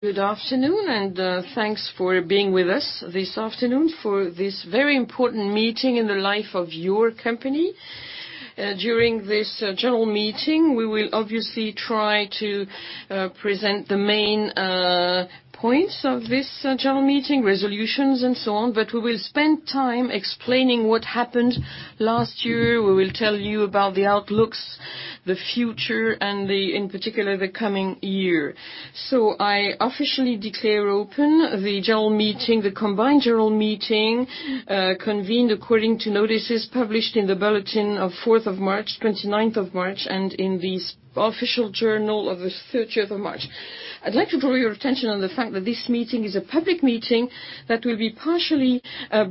Good afternoon, and thanks for being with us this afternoon for this very important meeting in the life of your company. During this general meeting, we will obviously try to present the main points of this general meeting, resolutions and so on. We will spend time explaining what happened last year. We will tell you about the outlooks, the future, and in particular, the coming year. I officially declare open the general meeting, the combined general meeting, convened according to notices published in the bulletin of 4th of March, 29th of March, and in the official journal of the 30th of March. I would like to draw your attention to the fact that this meeting is a public meeting that will be partially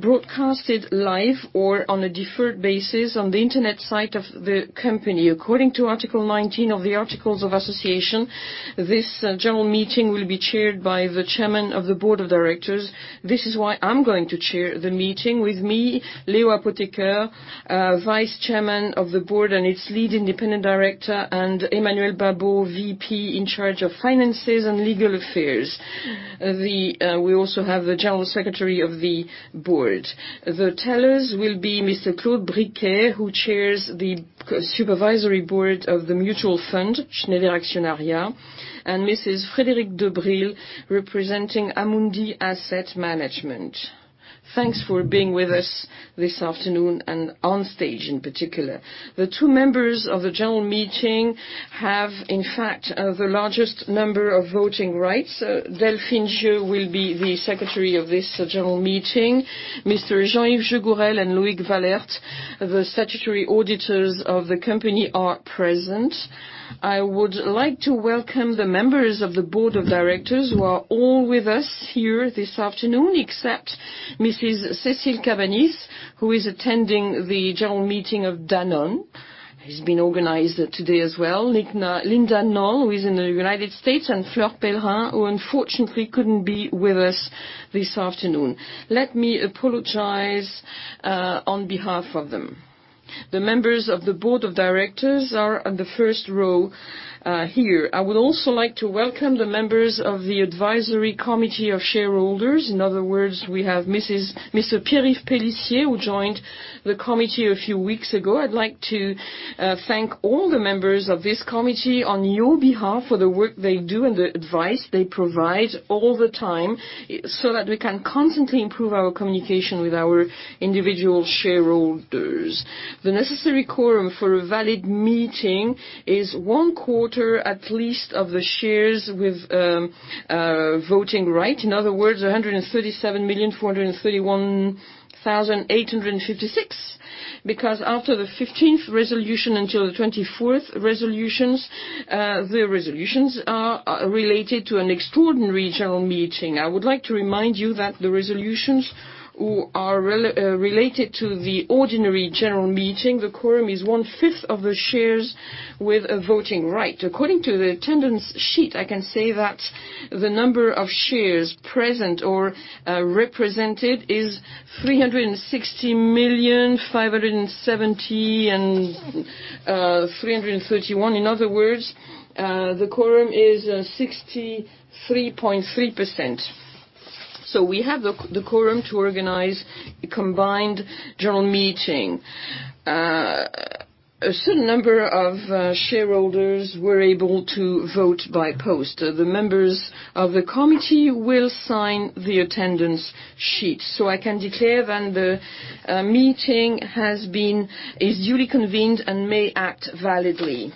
broadcast live or on a deferred basis on the internet site of the company. According to Article 19 of the Articles of Association, this general meeting will be chaired by the Chairman of the Board of Directors. This is why I am going to chair the meeting. With me, Léo Apotheker, Vice Chairman of the Board and its Lead Independent Director, and Emmanuel Babeau, VP in charge of finances and legal affairs. We also have the General Secretary of the Board. The tellers will be Mr. Claude Briquet, who chairs the Supervisory Board of the mutual fund, Schneider Actionnariat, and Mrs. Frédérique de Brolles, representing Amundi Asset Management. Thanks for being with us this afternoon and on stage in particular. The two members of the general meeting have in fact the largest number of voting rights. Delphine Gieux will be the secretary of this general meeting. Mr. Jean-Yves Jégourel and Loïc Wallaert, the statutory auditors of the company, are present. I would like to welcome the members of the Board of Directors who are all with us here this afternoon, except Mrs. Cécile Cabanis, who is attending the general meeting of Danone, which has been organized today as well. Linda Knoll, who is in the United States, and Fleur Pellerin, who unfortunately couldn't be with us this afternoon. Let me apologize on behalf of them. The members of the Board of Directors are on the first row here. I would also like to welcome the members of the advisory committee of shareholders. In other words, we have Mr. Pierre-Yves Pelissier, who joined the committee a few weeks ago. I would like to thank all the members of this committee on your behalf for the work they do and the advice they provide all the time so that we can constantly improve our communication with our individual shareholders. The necessary quorum for a valid meeting is one quarter, at least, of the shares with voting right. In other words, 137,431,856, because after the 15th resolution until the 24th resolutions, the resolutions are related to an extraordinary general meeting. I would like to remind you that the resolutions which are related to the ordinary general meeting, the quorum is one fifth of the shares with a voting right. According to the attendance sheet, I can say that the number of shares present or represented is 360,570,331. In other words, the quorum is 63.3%. We have the quorum to organize a combined general meeting. A certain number of shareholders were able to vote by post. The members of the committee will sign the attendance sheet. I can declare that the meeting is duly convened and may act validly.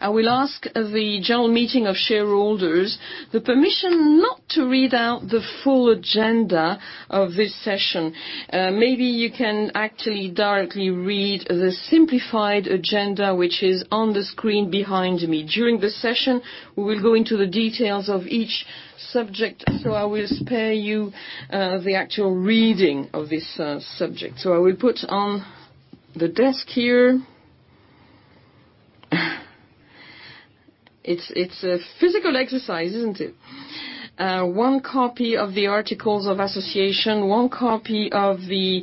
I will ask the general meeting of shareholders for permission not to read out the full agenda of this session. Maybe you can actually directly read the simplified agenda, which is on the screen behind me. During the session, we will go into the details of each subject, I will spare you the actual reading of this subject. I will put on the desk here. It's a physical exercise, isn't it? One copy of the articles of association, one copy of the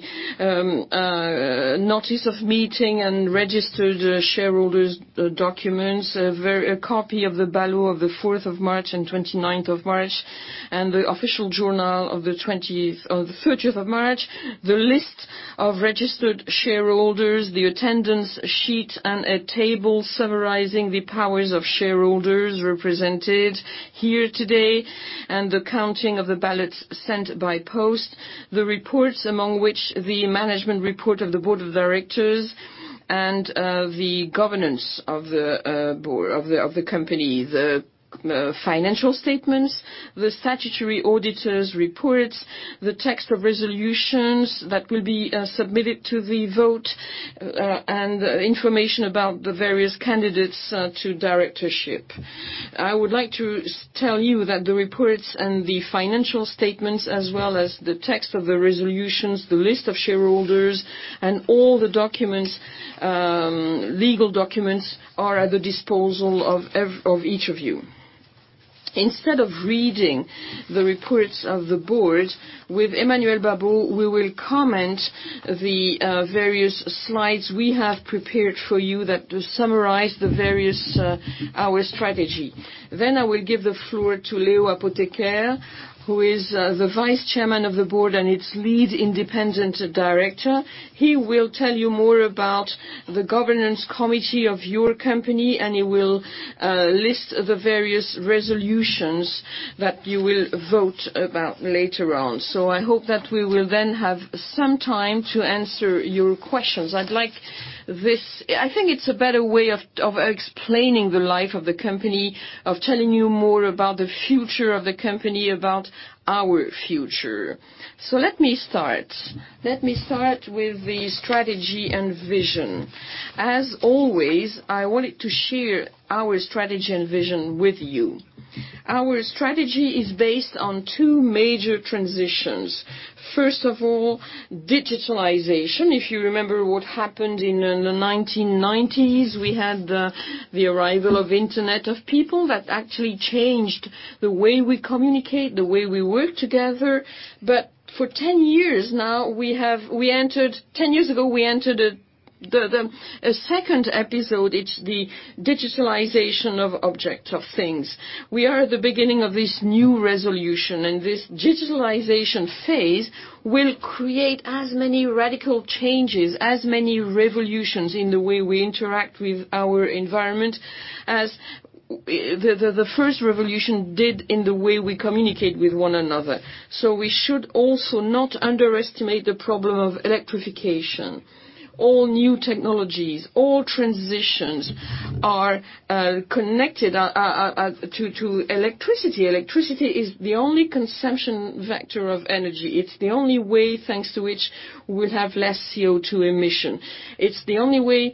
notice of meeting and registered shareholders documents, a copy of the bulletin of the 4th of March and 29th of March, and the official journal of the 30th of March, the list of registered shareholders, the attendance sheet, and a table summarizing the powers of shareholders represented here today and the counting of the ballots sent by post. The reports, among which the management report of the Board of Directors and the governance of the company, the financial statements, the statutory auditors' reports, the text of resolutions that will be submitted to the vote, and information about the various candidates to directorship. I would like to tell you that the reports and the financial statements, as well as the text of the resolutions, the list of shareholders, and all the legal documents, are at the disposal of each of you. Instead of reading the reports of the board, with Emmanuel Babeau, we will comment the various slides we have prepared for you that summarize our strategy. I will give the floor to Léo Apotheker, who is the Vice-Chairman of the Board and its Lead Independent Director. He will tell you more about the governance committee of your company, and he will list the various resolutions that you will vote about later on. I hope that we will then have some time to answer your questions. I think it's a better way of explaining the life of the company, of telling you more about the future of the company, about our future. Let me start. Let me start with the strategy and vision. As always, I wanted to share our strategy and vision with you. Our strategy is based on two major transitions. First of all, digitalization. If you remember what happened in the 1990s, we had the arrival of internet, of people that actually changed the way we communicate, the way we work together. For 10 years now, 10 years ago, we entered a second episode. It's the digitalization of object, of things. We are at the beginning of this new resolution, this digitalization phase will create as many radical changes, as many revolutions in the way we interact with our environment as the first revolution did in the way we communicate with one another. We should also not underestimate the problem of electrification. All new technologies, all transitions are connected to electricity. Electricity is the only consumption vector of energy. It's the only way, thanks to which we'll have less CO2 emission. It's the only way.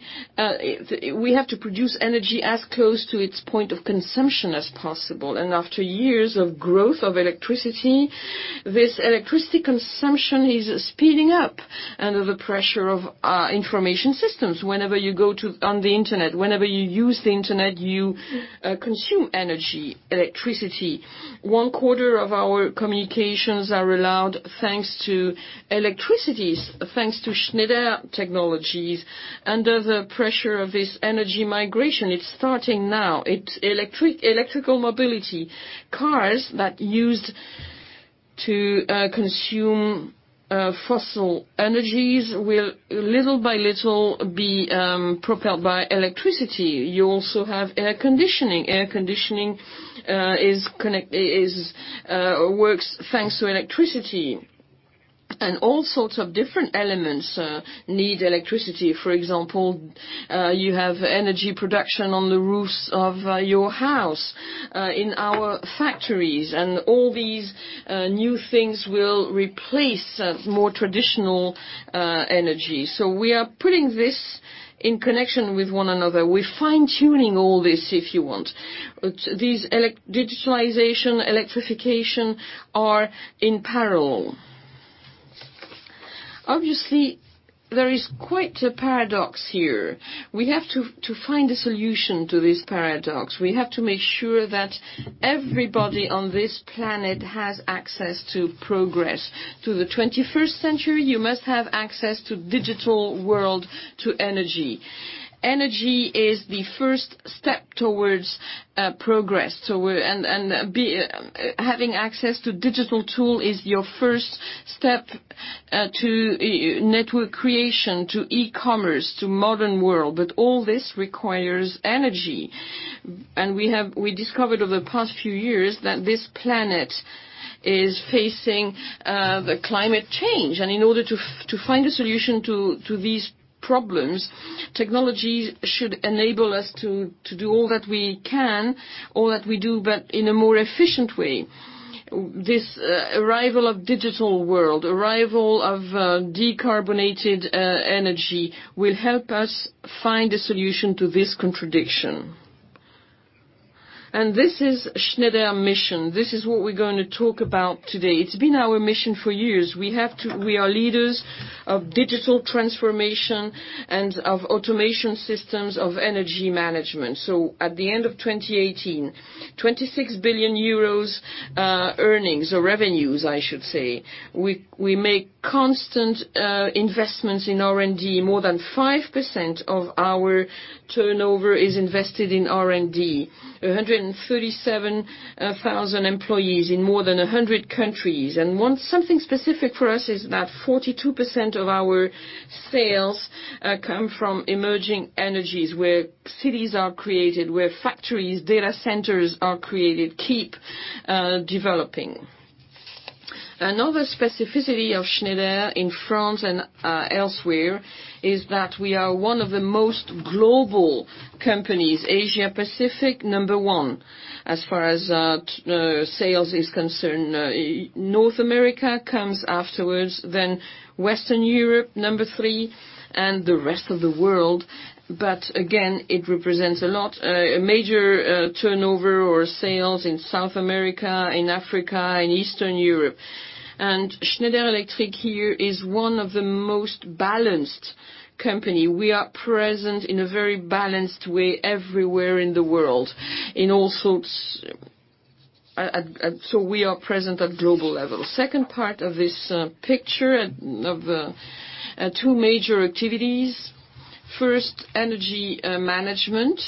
We have to produce energy as close to its point of consumption as possible. After years of growth of electricity, this electricity consumption is speeding up under the pressure of information systems. Whenever you go on the internet, whenever you use the internet, you consume energy, electricity. One quarter of our communications are allowed thanks to electricities, thanks to Schneider Electric technologies. Under the pressure of this energy migration, it's starting now. It's electrical mobility. Cars that used to consume fossil energies will, little by little, be propelled by electricity. You also have air conditioning. Air conditioning works thanks to electricity. All sorts of different elements need electricity. For example, you have energy production on the roofs of your house, in our factories, and all these new things will replace more traditional energy. We're fine-tuning all this, if you want. These digitalization, electrification are in parallel. Obviously, there is quite a paradox here. We have to find a solution to this paradox. We have to make sure that everybody on this planet has access to progress. To the 21st century, you must have access to digital world, to energy. Energy is the first step towards progress. Having access to digital tool is your first step to network creation, to e-commerce, to modern world. All this requires energy. We discovered over the past few years that this planet is facing the climate change. In order to find a solution to these problems, technology should enable us to do all that we can, all that we do, but in a more efficient way. This arrival of digital world, arrival of decarbonated energy, will help us find a solution to this contradiction. This is Schneider mission. This is what we're going to talk about today. It's been our mission for years. We are leaders of digital transformation and of automation systems of energy management. At the end of 2018, 26 billion euros earnings or revenues, I should say. We make constant investments in R&D. More than 5% of our turnover is invested in R&D. 137,000 employees in more than 100 countries. Something specific for us is that 42% of our sales come from emerging energies, where cities are created, where factories, data centers are created, keep developing. Another specificity of Schneider in France and elsewhere is that we are one of the most global companies. Asia-Pacific, number 1 as far as sales is concerned. North America comes afterwards, then Western Europe, number 3, and the rest of the world. Again, it represents a lot, a major turnover or sales in South America, in Africa, in Eastern Europe. Schneider Electric here is one of the most balanced company. We are present in a very balanced way everywhere in the world. We are present at global level. Second part of this picture of two major activities. First, energy management,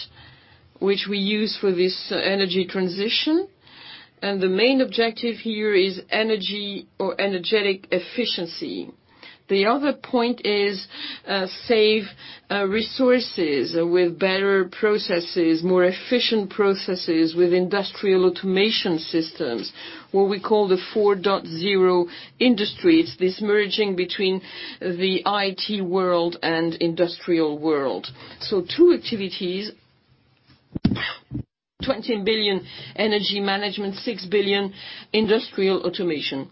which we use for this energy transition. The main objective here is energy or energetic efficiency. The other point is save resources with better processes, more efficient processes with industrial automation systems, what we call the Industry 4.0. It's this merging between the IT world and industrial world. Two activities, 20 billion energy management, 6 billion industrial automation.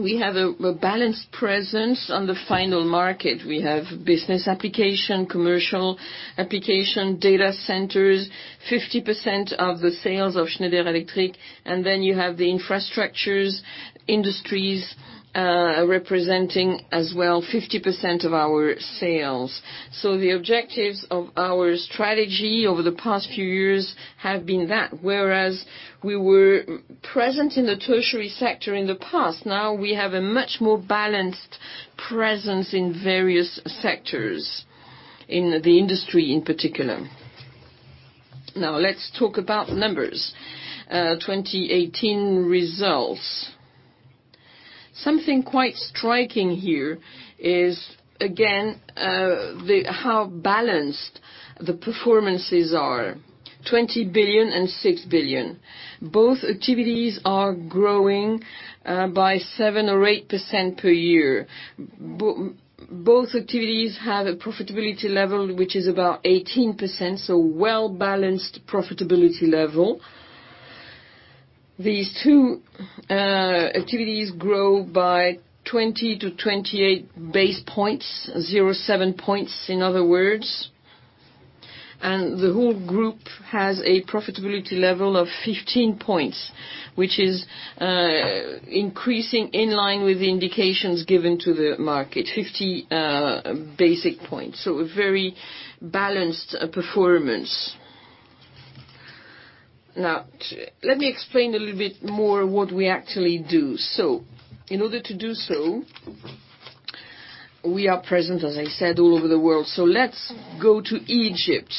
We have a balanced presence on the final market. We have business application, commercial application, data centers, 50% of the sales of Schneider Electric, and then you have the infrastructures, industries, representing as well 50% of our sales. The objectives of our strategy over the past few years have been that, whereas we were present in the tertiary sector in the past, now we have a much more balanced presence in various sectors, in the industry in particular. Now let's talk about numbers. 2018 results. Something quite striking here is, again, how balanced the performances are, 20 billion and 6 billion. Both activities are growing by 7% or 8% per year. Both activities have a profitability level, which is about 18%, so well-balanced profitability level. These two activities grow by 20 to 28 basis points, 07 points, in other words. The whole group has a profitability level of 15 points, which is increasing in line with the indications given to the market, 50 basis points. A very balanced performance. Let me explain a little bit more what we actually do. In order to do so, we are present, as I said, all over the world. Let's go to Egypt,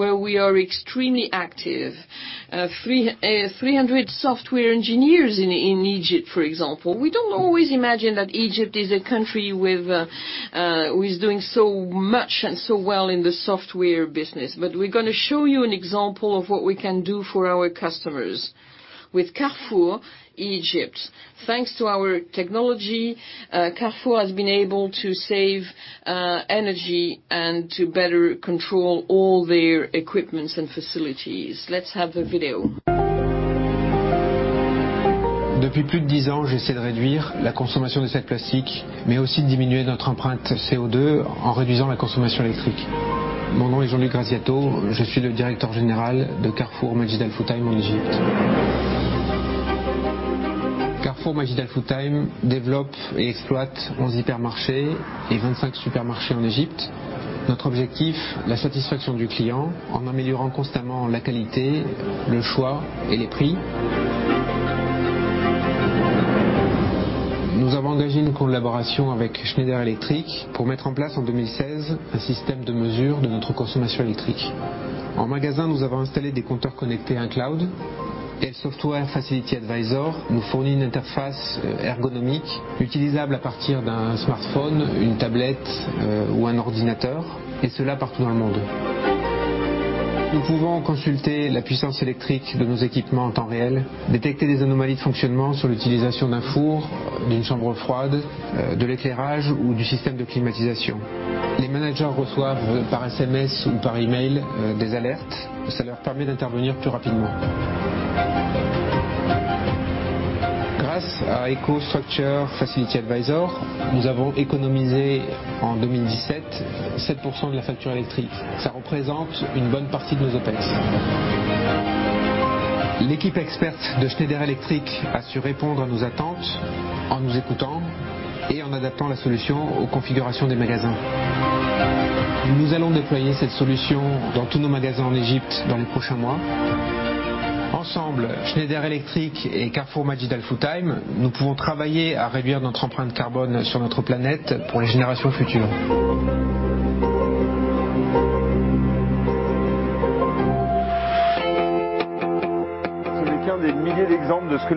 where we are extremely active. 300 software engineers in Egypt, for example. We don't always imagine that Egypt is a country who is doing so much and so well in the software business. We're going to show you an example of what we can do for our customers. With Carrefour Egypt, thanks to our technology, Carrefour has been able to save energy and to better control all their equipment and facilities. Let's have a video. This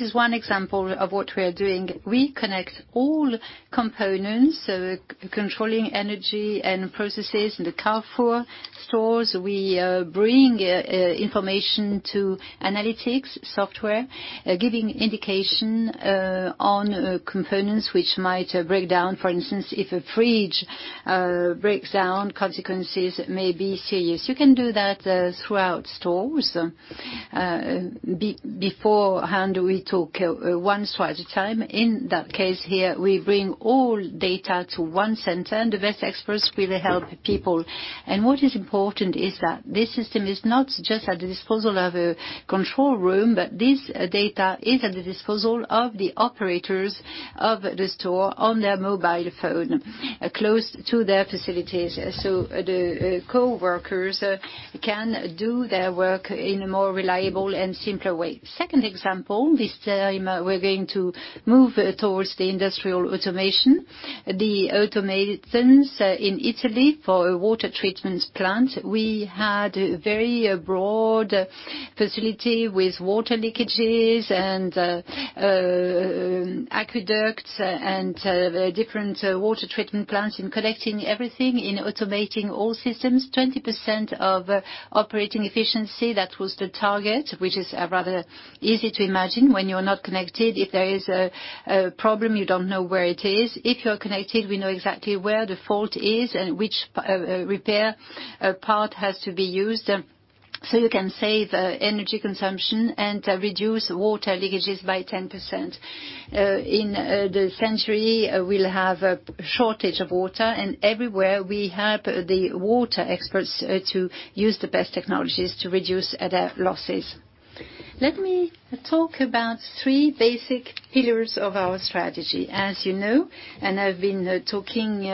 is one example of what we are doing. We connect all components, so controlling energy and processes in the Carrefour stores. We bring information to analytics software, giving indication on components which might break down. For instance, if a fridge breaks down, consequences may be serious. You can do that throughout stores. Beforehand, we talk once at a time. In that case here, we bring all data to one center, and the best experts really help people. What is important is that this system is not just at the disposal of a control room, but this data is at the disposal of the operators of the store on their mobile phone, close to their facilities. The coworkers can do their work in a more reliable and simpler way. Second example, this time we're going to move towards the industrial automation. The automatons in Italy for a water treatment plant. We had a very broad facility with water leakages and- Aqueducts and the different water treatment plants in connecting everything, in automating all systems, 20% of operating efficiency, that was the target, which is rather easy to imagine when you're not connected. If there is a problem, you don't know where it is. If you are connected, we know exactly where the fault is and which repair part has to be used. You can save energy consumption and reduce water leakages by 10%. In the century, we'll have a shortage of water, everywhere we help the water experts to use the best technologies to reduce their losses. Let me talk about three basic pillars of our strategy. As you know, I've been talking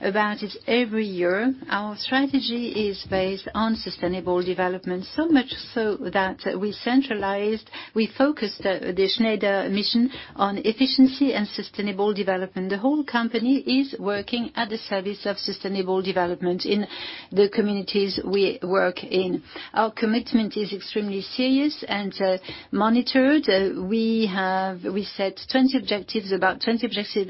about it every year, our strategy is based on sustainable development. Much so that we centralized, we focused the Schneider mission on efficiency and sustainable development. The whole company is working at the service of sustainable development in the communities we work in. Our commitment is extremely serious and monitored. We set about 20 objectives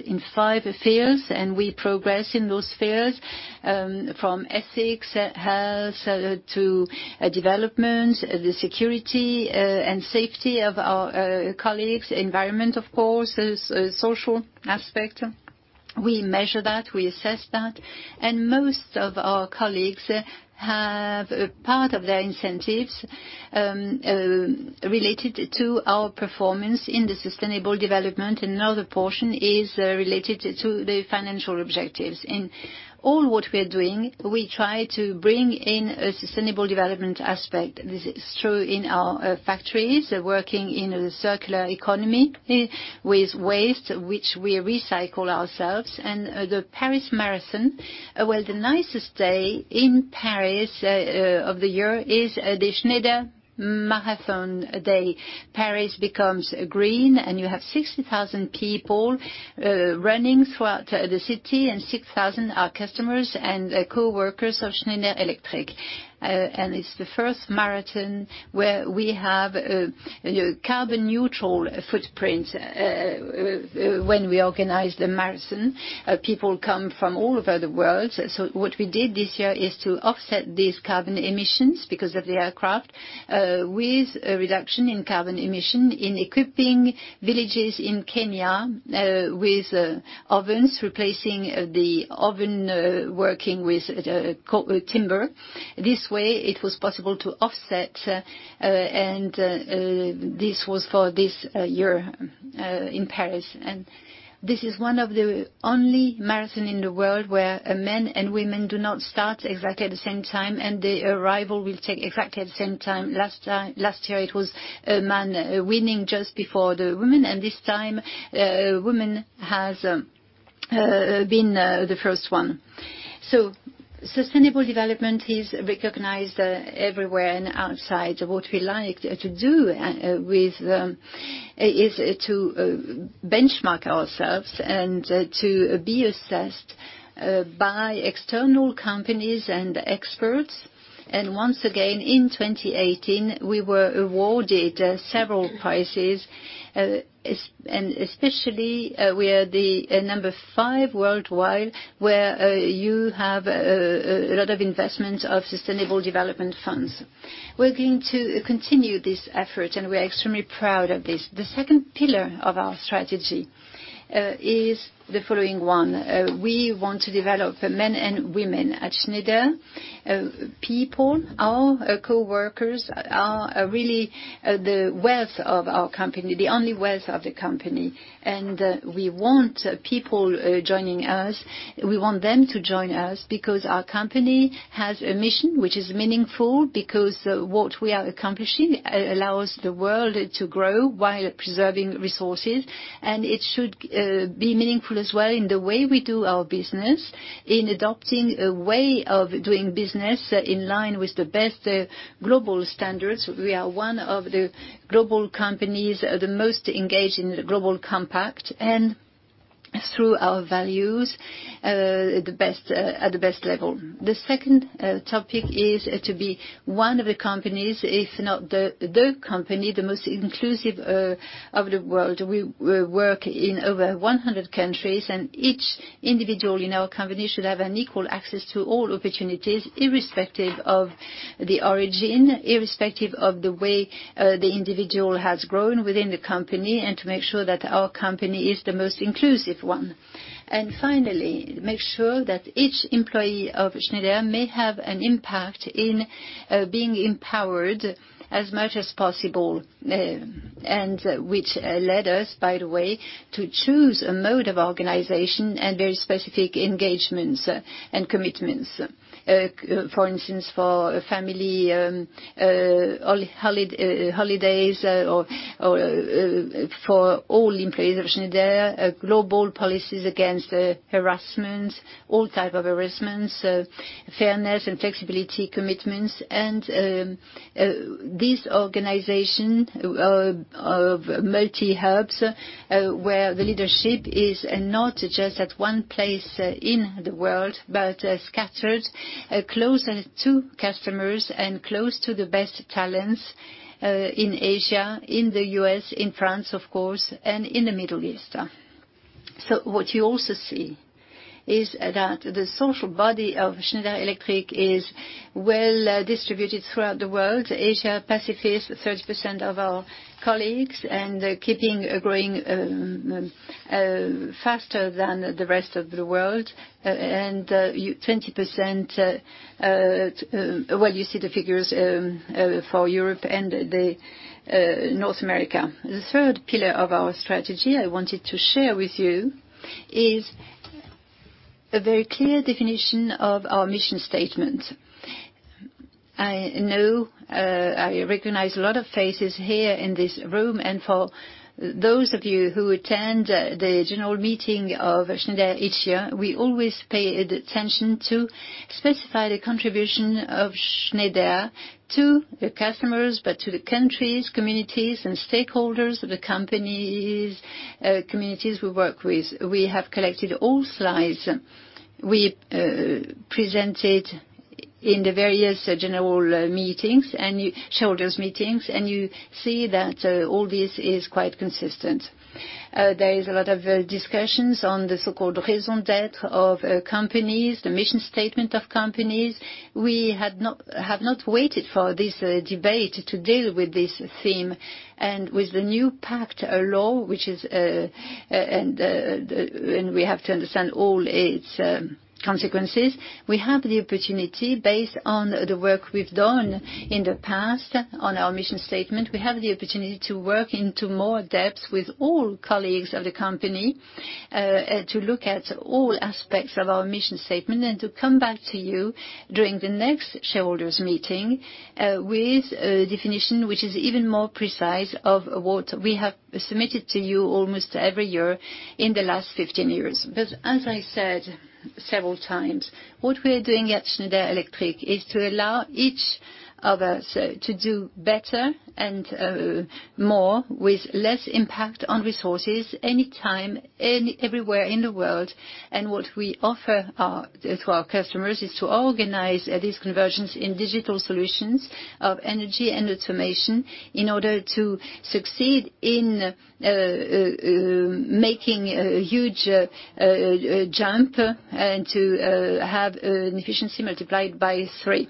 in five spheres, we progress in those spheres, from ethics, health, to development, the security and safety of our colleagues, environment, of course, social aspect. We measure that, we assess that, most of our colleagues have part of their incentives related to our performance in the sustainable development, another portion is related to the financial objectives. In all that we are doing, we try to bring in a sustainable development aspect. This is true in our factories, working in a circular economy with waste, which we recycle ourselves, the Paris Marathon, where the nicest day in Paris of the year is the Schneider Marathon day. Paris becomes green, you have 60,000 people running throughout the city, 6,000 are customers and co-workers of Schneider Electric. It's the first marathon where we have a carbon neutral footprint when we organize the marathon. People come from all over the world. What we did this year is to offset these carbon emissions because of the aircraft with a reduction in carbon emission in equipping villages in Kenya with ovens, replacing the oven working with timber. This way it was possible to offset, this was for this year in Paris. This is one of the only marathon in the world where men and women do not start exactly at the same time, the arrival will take exactly at the same time. Last year it was a man winning just before the woman, this time a woman has been the first one. Sustainable development is recognized everywhere and outside. What we like to do with is to benchmark ourselves and to be assessed by external companies and experts. Once again, in 2018, we were awarded several prizes, especially we are the number 5 worldwide, where you have a lot of investment of sustainable development funds. We're going to continue this effort, we are extremely proud of this. The second pillar of our strategy is the following one. We want to develop men and women at Schneider. People, our co-workers, are really the wealth of our company, the only wealth of the company. We want people joining us. We want them to join us because our company has a mission which is meaningful because what we are accomplishing allows the world to grow while preserving resources. It should be meaningful as well in the way we do our business, in adopting a way of doing business in line with the best global standards. We are one of the global companies the most engaged in the Global Compact, through our values, at the best level. The second topic is to be one of the companies, if not the company, the most inclusive of the world. We work in over 100 countries, each individual in our company should have an equal access to all opportunities, irrespective of the origin, irrespective of the way the individual has grown within the company, to make sure that our company is the most inclusive one. Finally, make sure that each employee of Schneider may have an impact in being empowered as much as possible. Which led us, by the way, to choose a mode of organization and very specific engagements and commitments. For instance, for family holidays or for all employees of Schneider, global policies against harassment, all type of harassment, fairness and flexibility commitments, and this organization of multi-hubs, where the leadership is not just at one place in the world, but scattered closer to customers and close to the best talents, in Asia, in the U.S., in France, of course, and in the Middle East. What you also see is that the social body of Schneider Electric is well distributed throughout the world. Asia Pacific, 30% of our colleagues, and keeping growing faster than the rest of the world. 20%, you see the figures for Europe and North America. The third pillar of our strategy I wanted to share with you is a very clear definition of our mission statement. I know I recognize a lot of faces here in this room. For those of you who attend the general meeting of Schneider each year, we always pay attention to specify the contribution of Schneider to the customers, but to the countries, communities, and stakeholders of the companies, communities we work with. We have collected all slides we presented in the various general meetings and shareholders meetings. You see that all this is quite consistent. There is a lot of discussions on the so-called raison d'être of companies, the mission statement of companies. We have not waited for this debate to deal with this theme and with the new PACTE law. We have to understand all its consequences. We have the opportunity, based on the work we've done in the past on our mission statement, we have the opportunity to work into more depth with all colleagues of the company, to look at all aspects of our mission statement and to come back to you during the next shareholders meeting with a definition, which is even more precise of what we have submitted to you almost every year in the last 15 years. As I said several times, what we are doing at Schneider Electric is to allow each of us to do better and more with less impact on resources, anytime, everywhere in the world. What we offer to our customers is to organize these conversions in digital solutions of energy and automation in order to succeed in making a huge jump and to have an efficiency multiplied by 3.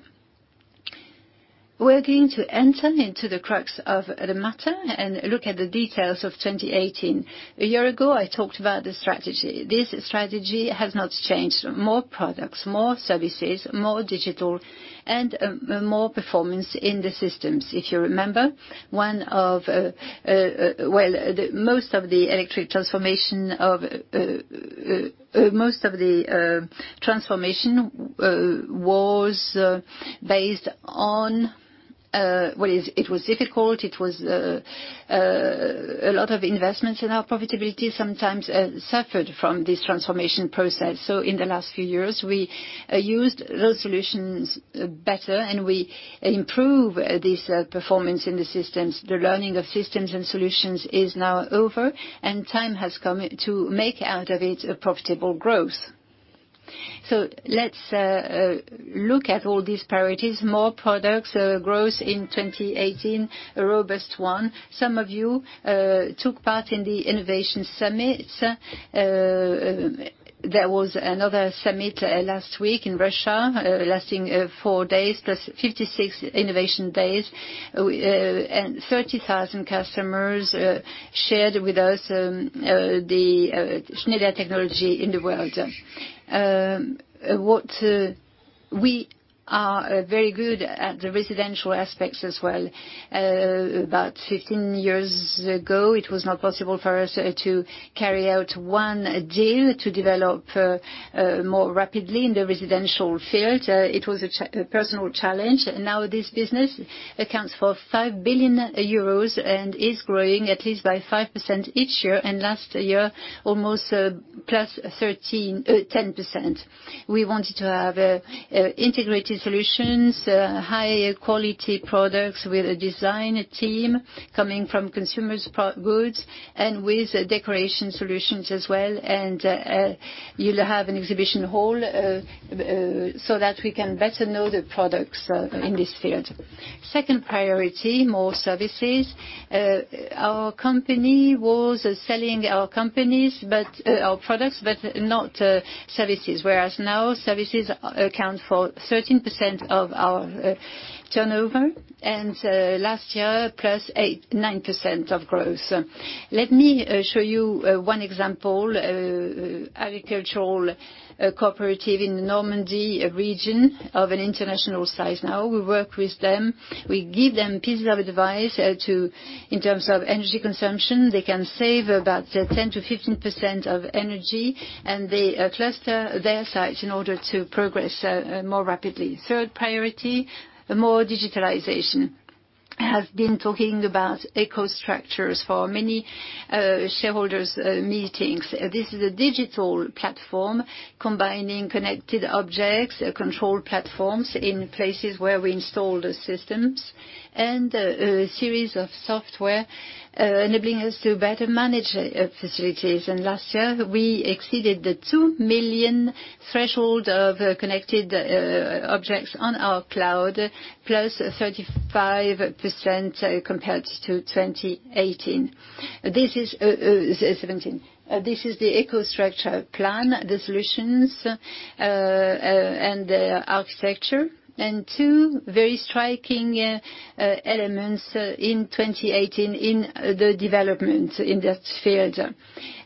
We're going to enter into the crux of the matter and look at the details of 2018. A year ago, I talked about the strategy. This strategy has not changed. More products, more services, more digital, and more performance in the systems. If you remember, most of the transformation was based on, well, it was difficult, it was a lot of investments in our profitability sometimes suffered from this transformation process. In the last few years, we used those solutions better. We improve this performance in the systems. The learning of systems and solutions is now over. Time has come to make out of it a profitable growth. Let's look at all these priorities. More products, growth in 2018, a robust one. Some of you took part in the Innovation Summit. There was another summit last week in Russia, lasting four days, plus 56 innovation days. 30,000 customers shared with us the Schneider technology in the world. We are very good at the residential aspects as well. About 15 years ago, it was not possible for us to carry out one deal to develop more rapidly in the residential field. It was a personal challenge. Now this business accounts for 5 billion euros and is growing at least by 5% each year. Last year, almost +10%. We wanted to have integrated solutions, high-quality products with a design team coming from consumers' goods and with decoration solutions as well. You'll have an exhibition hall, so that we can better know the products in this field. Second priority, more services. Our company was selling our products, but not services. Whereas now services account for 13% of our turnover. Last year, +9% of growth. Let me show you one example. Agricultural cooperative in Normandy region of an international size. Now we work with them. We give them pieces of advice in terms of energy consumption. They can save about 10%-15% of energy. They cluster their sites in order to progress more rapidly. Third priority, more digitalization. I have been talking about EcoStruxure for many shareholders meetings. This is a digital platform combining connected objects, control platforms in places where we install the systems, a series of software enabling us to better manage facilities. Last year, we exceeded the 2 million threshold of connected objects on our cloud, +35% compared to 2017. This is the EcoStruxure plan, the solutions, and the architecture, two very striking elements in 2018 in the development in that field.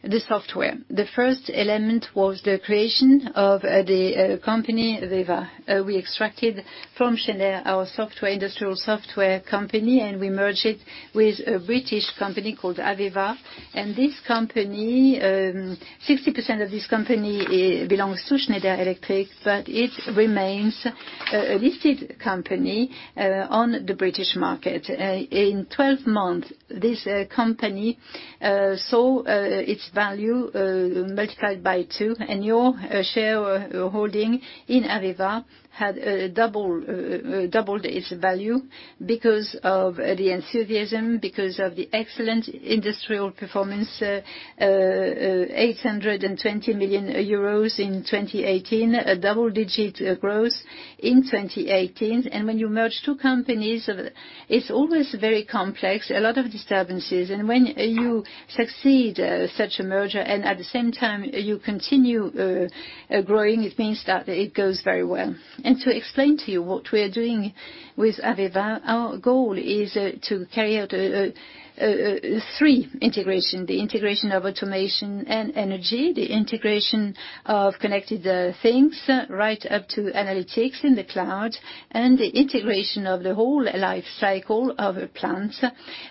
The software. The first element was the creation of the company AVEVA. We extracted from Schneider, our industrial software company. We merged it with a British company called AVEVA. 60% of this company belongs to Schneider Electric, but it remains a listed company on the British market. In 12 months, this company saw its value multiplied by 2, your shareholding in AVEVA had doubled its value because of the enthusiasm, because of the excellent industrial performance, 820 million euros in 2018, a double-digit growth in 2018. When you merge 2 companies, it's always very complex, a lot of disturbances. When you succeed such a merger, at the same time you continue growing, it means that it goes very well. To explain to you what we are doing with AVEVA, our goal is to carry out 3 integration. The integration of automation and energy, the integration of connected things, right up to analytics in the cloud, the integration of the whole life cycle of a plant,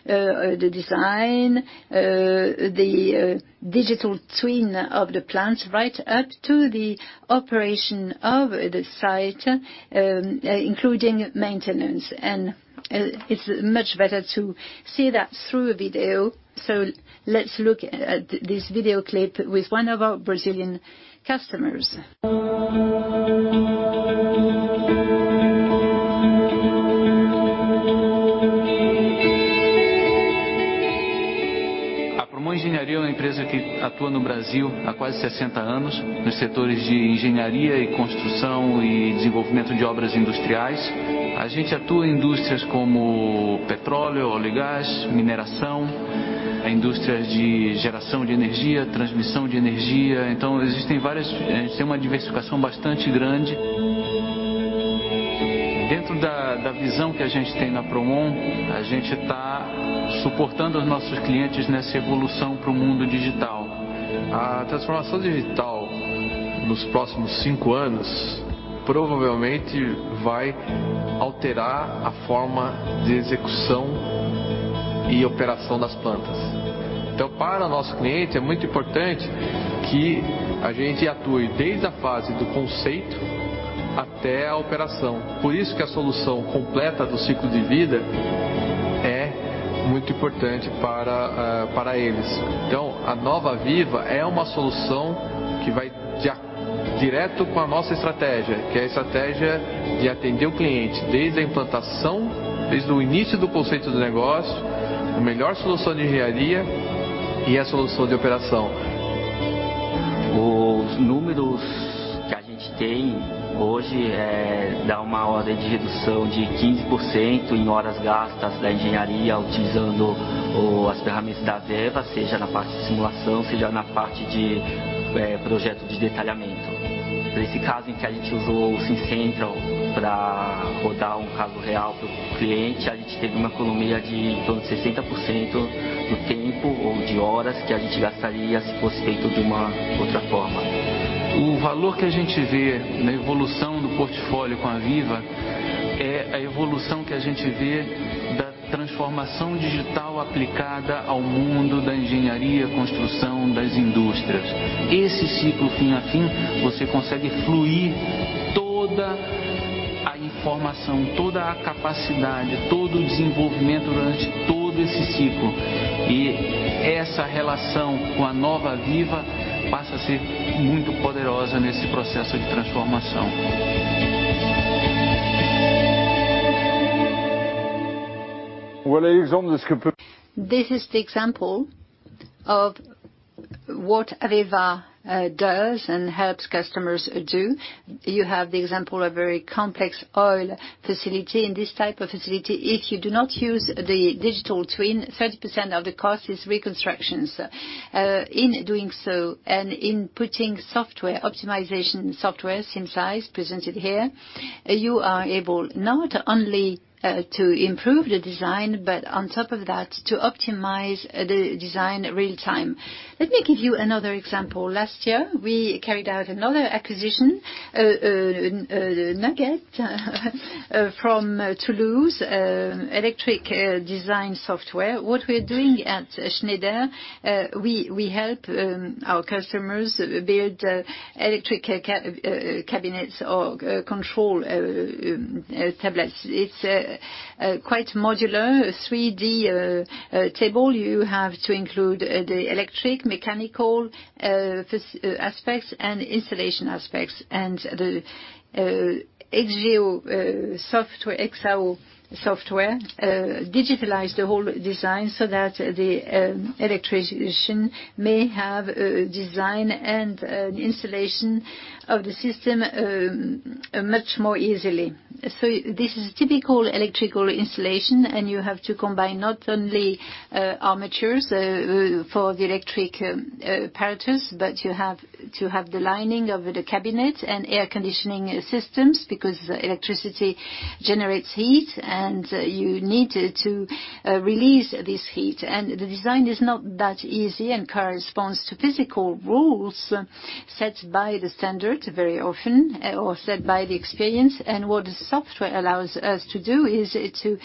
the design, the digital twin of the plant, right up to the operation of the site, including maintenance. It's much better to see that through a video. Let's look at this video clip with one of our Brazilian customers. A Promon Engenharia é uma empresa que atua no Brasil há quase 60 anos, nos setores de engenharia e construção e desenvolvimento de obras industriais. A gente atua em indústrias como petróleo, oleogás, mineração, indústrias de geração de energia, transmissão de energia. A gente tem uma diversificação bastante grande. Dentro da visão que a gente tem na Promon, a gente está suportando os nossos clientes nessa evolução pro mundo digital. A transformação digital nos próximos cinco anos provavelmente vai alterar a forma de execução e operação das plantas. Para o nosso cliente, é muito importante que a gente atue desde a fase do conceito até a operação. Por isso que a solução completa do ciclo de vida é muito importante para eles. A nova AVEVA é uma solução que vai direto com a nossa estratégia, que é a estratégia de atender o cliente desde a implantação, desde o início do conceito do negócio, a melhor solução de engenharia e a solução de operação. Os números que a gente tem hoje dá uma ordem de redução de 15% em horas gastas da engenharia utilizando as ferramentas da AVEVA, seja na parte de simulação, seja na parte de projeto de detalhamento. Nesse caso em que a gente usou o SimCentral para rodar um caso real para o cliente, a gente teve uma economia de em torno de 60% do tempo ou de horas que a gente gastaria se fosse feito de uma outra forma. O valor que a gente vê na evolução do portfólio com a AVEVA é a evolução que a gente vê da transformação digital aplicada ao mundo da engenharia, construção das indústrias. Esse ciclo fim a fim, você consegue fluir toda a informação, toda a capacidade, todo o desenvolvimento durante todo esse ciclo. Essa relação com a nova AVEVA passa a ser muito poderosa nesse processo de transformação. Well, the example is. This is the example of what AVEVA does and helps customers do. You have the example of very complex oil facility. In this type of facility, if you do not use the digital twin, 30% of the cost is reconstructions. In doing so, in putting optimization software, SimSci presented here, you are able not only to improve the design, but on top of that, to optimize the design in real time. Let me give you another example. Last year, we carried out another acquisition, IGE+XAO, from Toulouse electric design software. What we are doing at Schneider, we help our customers build electric cabinets or control tablets. It's quite modular 3D table. You have to include the electric, mechanical aspects, and installation aspects. The IGE+XAO software digitalize the whole design so that the electrician may have design and installation of the system much more easily. This is typical electrical installation, and you have to combine not only armatures for the electric apparatus, but you have to have the lining of the cabinet and air conditioning systems, because electricity generates heat, and you need to release this heat. The design is not that easy and corresponds to physical rules set by the standard very often, or set by the experience. What the software allows us to do is to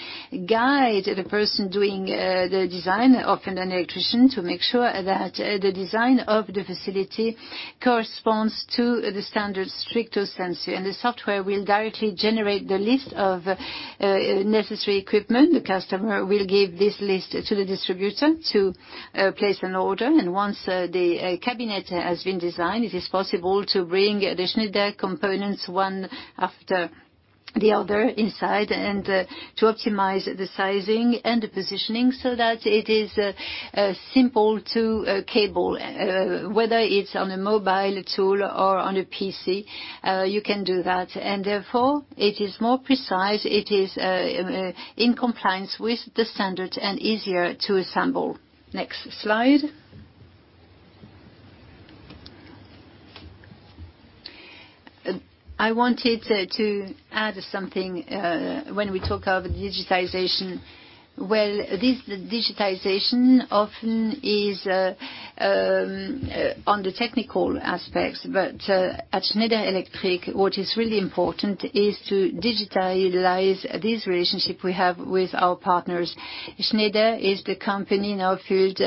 guide the person doing the design, often an electrician, to make sure that the design of the facility corresponds to the standard strictu sensu. The software will directly generate the list of necessary equipment. The customer will give this list to the distributor to place an order. Once the cabinet has been designed, it is possible to bring the Schneider components one after the other inside and to optimize the sizing and the positioning so that it is simple to cable. Whether it's on a mobile tool or on a PC, you can do that. Therefore, it is more precise, it is in compliance with the standard and easier to assemble. Next slide. I wanted to add something when we talk of digitization. Well, this digitization often is on the technical aspects, but at Schneider Electric, what is really important is to digitalize this relationship we have with our partners. Schneider is the company in our field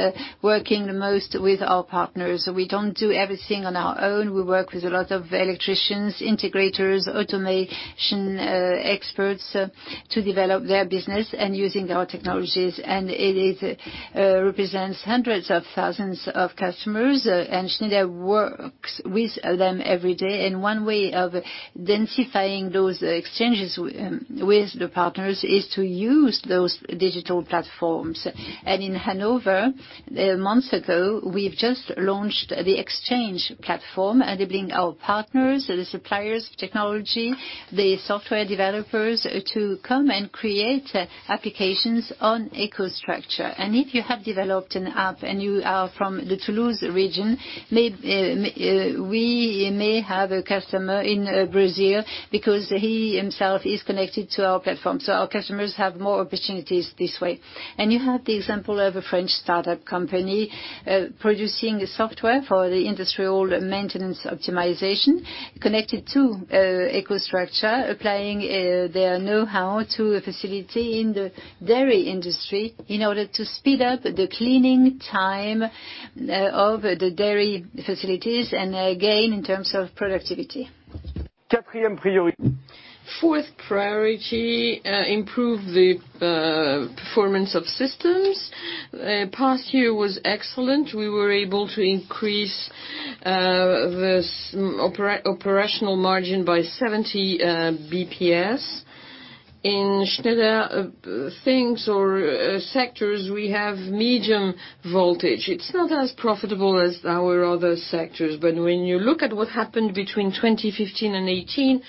working the most with our partners. We don't do everything on our own. We work with a lot of electricians, integrators, automation experts to develop their business and using our technologies. It represents hundreds of thousands of customers, Schneider works with them every day. One way of densifying those exchanges with the partners is to use those digital platforms. In Hanover, months ago, we've just launched the exchange platform enabling our partners, the suppliers of technology, the software developers, to come and create applications on EcoStruxure. If you have developed an app and you are from the Toulouse region, we may have a customer in Brazil because he himself is connected to our platform. Our customers have more opportunities this way. You have the example of a French startup company producing software for the industrial maintenance optimization connected to EcoStruxure, applying their knowhow to a facility in the dairy industry in order to speed up the cleaning time of the dairy facilities and gain in terms of productivity. Fourth priority, improve the performance of systems. Past year was excellent. We were able to increase the operational margin by 70 basis points. In Schneider sectors, we have medium voltage. It's not as profitable as our other sectors, but when you look at what happened between 2015 and 2018,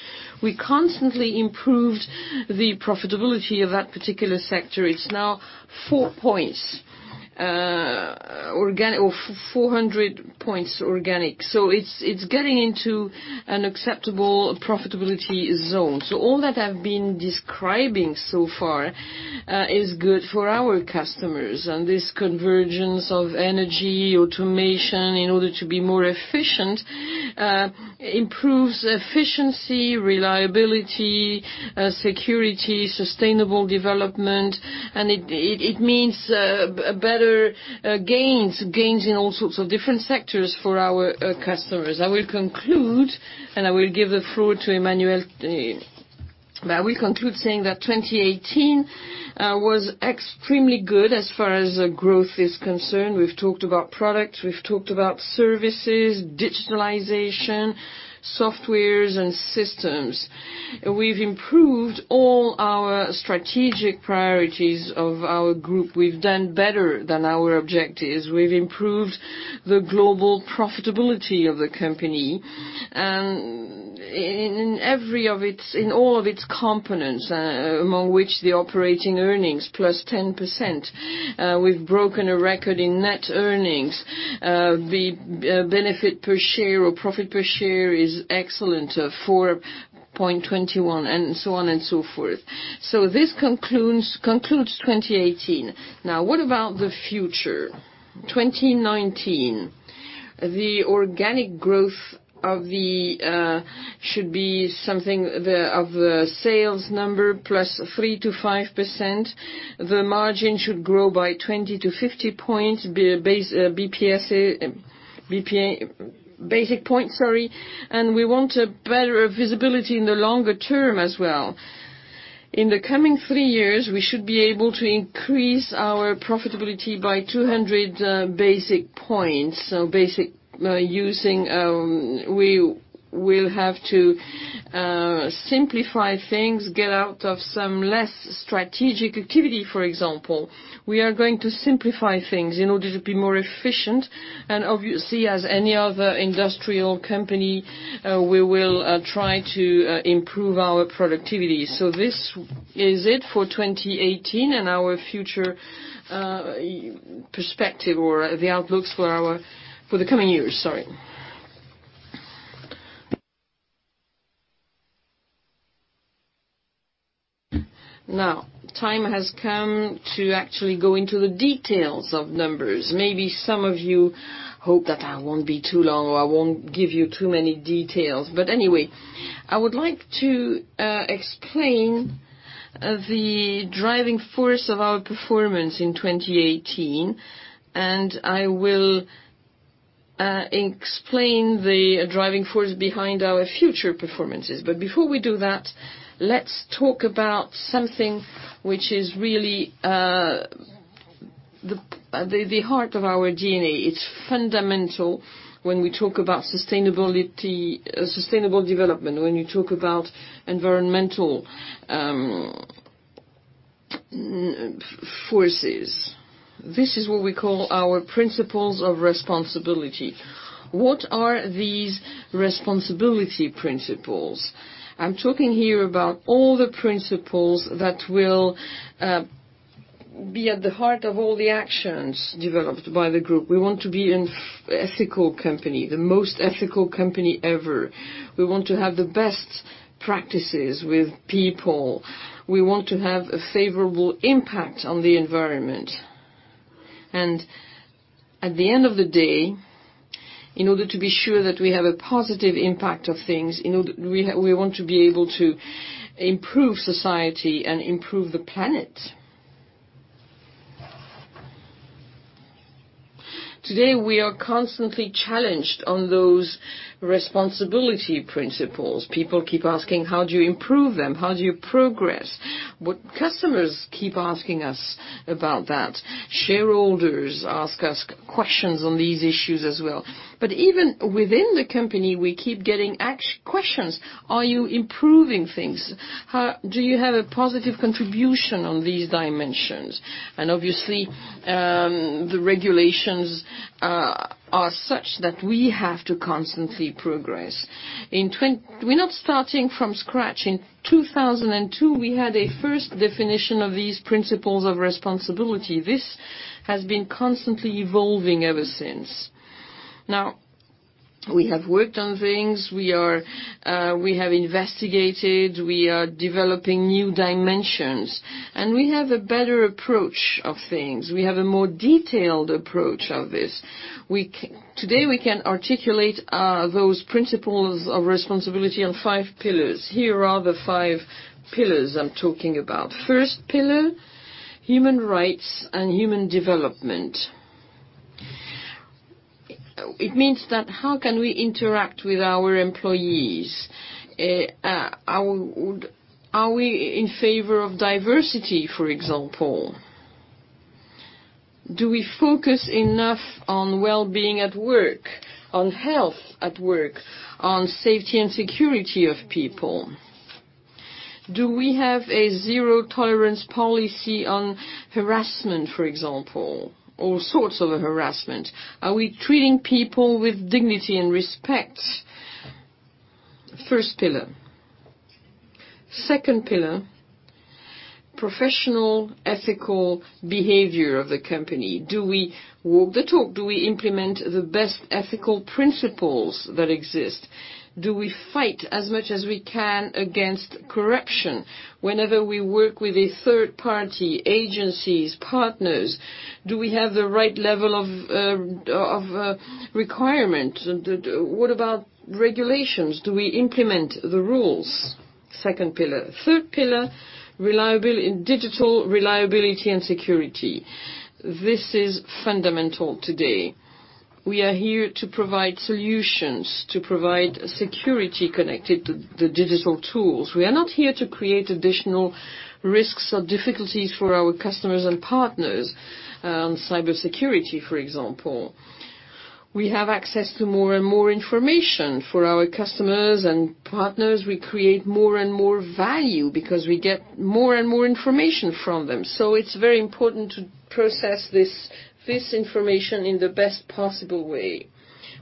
we constantly improved the profitability of that particular sector. It's now 400 basis points organic. It's getting into an acceptable profitability zone. All that I've been describing so far is good for our customers. This convergence of energy, automation in order to be more efficient, improves efficiency, reliability, security, sustainable development, it means better gains in all sorts of different sectors for our customers. I will conclude, I will give the floor to Emmanuel. I will conclude saying that 2018 was extremely good as far as growth is concerned. We've talked about products, we've talked about services, digitalization, software, and systems. We've improved all our strategic priorities of our group. We've done better than our objectives. We've improved the global profitability of the company, and in all of its components, among which the operating earnings plus 10%. We've broken a record in net earnings. The benefit per share or profit per share is excellent, at 4.21, and so on and so forth. This concludes 2018. Now what about the future? 2019. The organic growth should be something of the sales number plus 3%-5%. The margin should grow by 20-50 basis points. We want a better visibility in the longer term as well. In the coming 3 years, we should be able to increase our profitability by 200 basis points. We will have to simplify things, get out of some less strategic activity, for example. We are going to simplify things in order to be more efficient. Obviously, as any other industrial company, we will try to improve our productivity. This is it for 2018 and our future perspective, or the outlooks for the coming years. Sorry. Now, time has come to actually go into the details of numbers. Maybe some of you hope that I won't be too long, or I won't give you too many details. Anyway, I would like to explain the driving force of our performance in 2018, I will explain the driving force behind our future performances. Before we do that, let's talk about something which is really the heart of our DNA. It's fundamental when we talk about sustainable development, when you talk about environmental forces. This is what we call our principles of responsibility. What are these responsibility principles? I'm talking here about all the principles that will be at the heart of all the actions developed by the group. We want to be an ethical company, the most ethical company ever. We want to have the best practices with people. We want to have a favorable impact on the environment. At the end of the day, in order to be sure that we have a positive impact of things, we want to be able to improve society and improve the planet. Today, we are constantly challenged on those responsibility principles. People keep asking, "How do you improve them? How do you progress?" Customers keep asking us about that. Shareholders ask us questions on these issues as well. Even within the company, we keep getting questions. "Are you improving things? Do you have a positive contribution on these dimensions?" Obviously, the regulations are such that we have to constantly progress. We're not starting from scratch. In 2002, we had a first definition of these principles of responsibility. This has been constantly evolving ever since. Now, we have worked on things. We have investigated, we are developing new dimensions, and we have a better approach of things. We have a more detailed approach of this. Today, we can articulate those principles of responsibility on five pillars. Here are the five pillars I'm talking about. First pillar, human rights and human development. It means that how can we interact with our employees? Are we in favor of diversity, for example? Do we focus enough on well-being at work, on health at work, on safety and security of people? Do we have a zero-tolerance policy on harassment, for example, all sorts of harassment? Are we treating people with dignity and respect? First pillar. Second pillar, professional ethical behavior of the company. Do we walk the talk? Do we implement the best ethical principles that exist? Do we fight as much as we can against corruption? Whenever we work with a third party, agencies, partners, do we have the right level of requirement? What about regulations? Do we implement the rules? Second pillar. Third pillar, digital reliability and security. This is fundamental today. We are here to provide solutions, to provide security connected to the digital tools. We are not here to create additional risks or difficulties for our customers and partners on cybersecurity, for example. We have access to more and more information for our customers and partners. We create more and more value because we get more and more information from them. It's very important to process this information in the best possible way.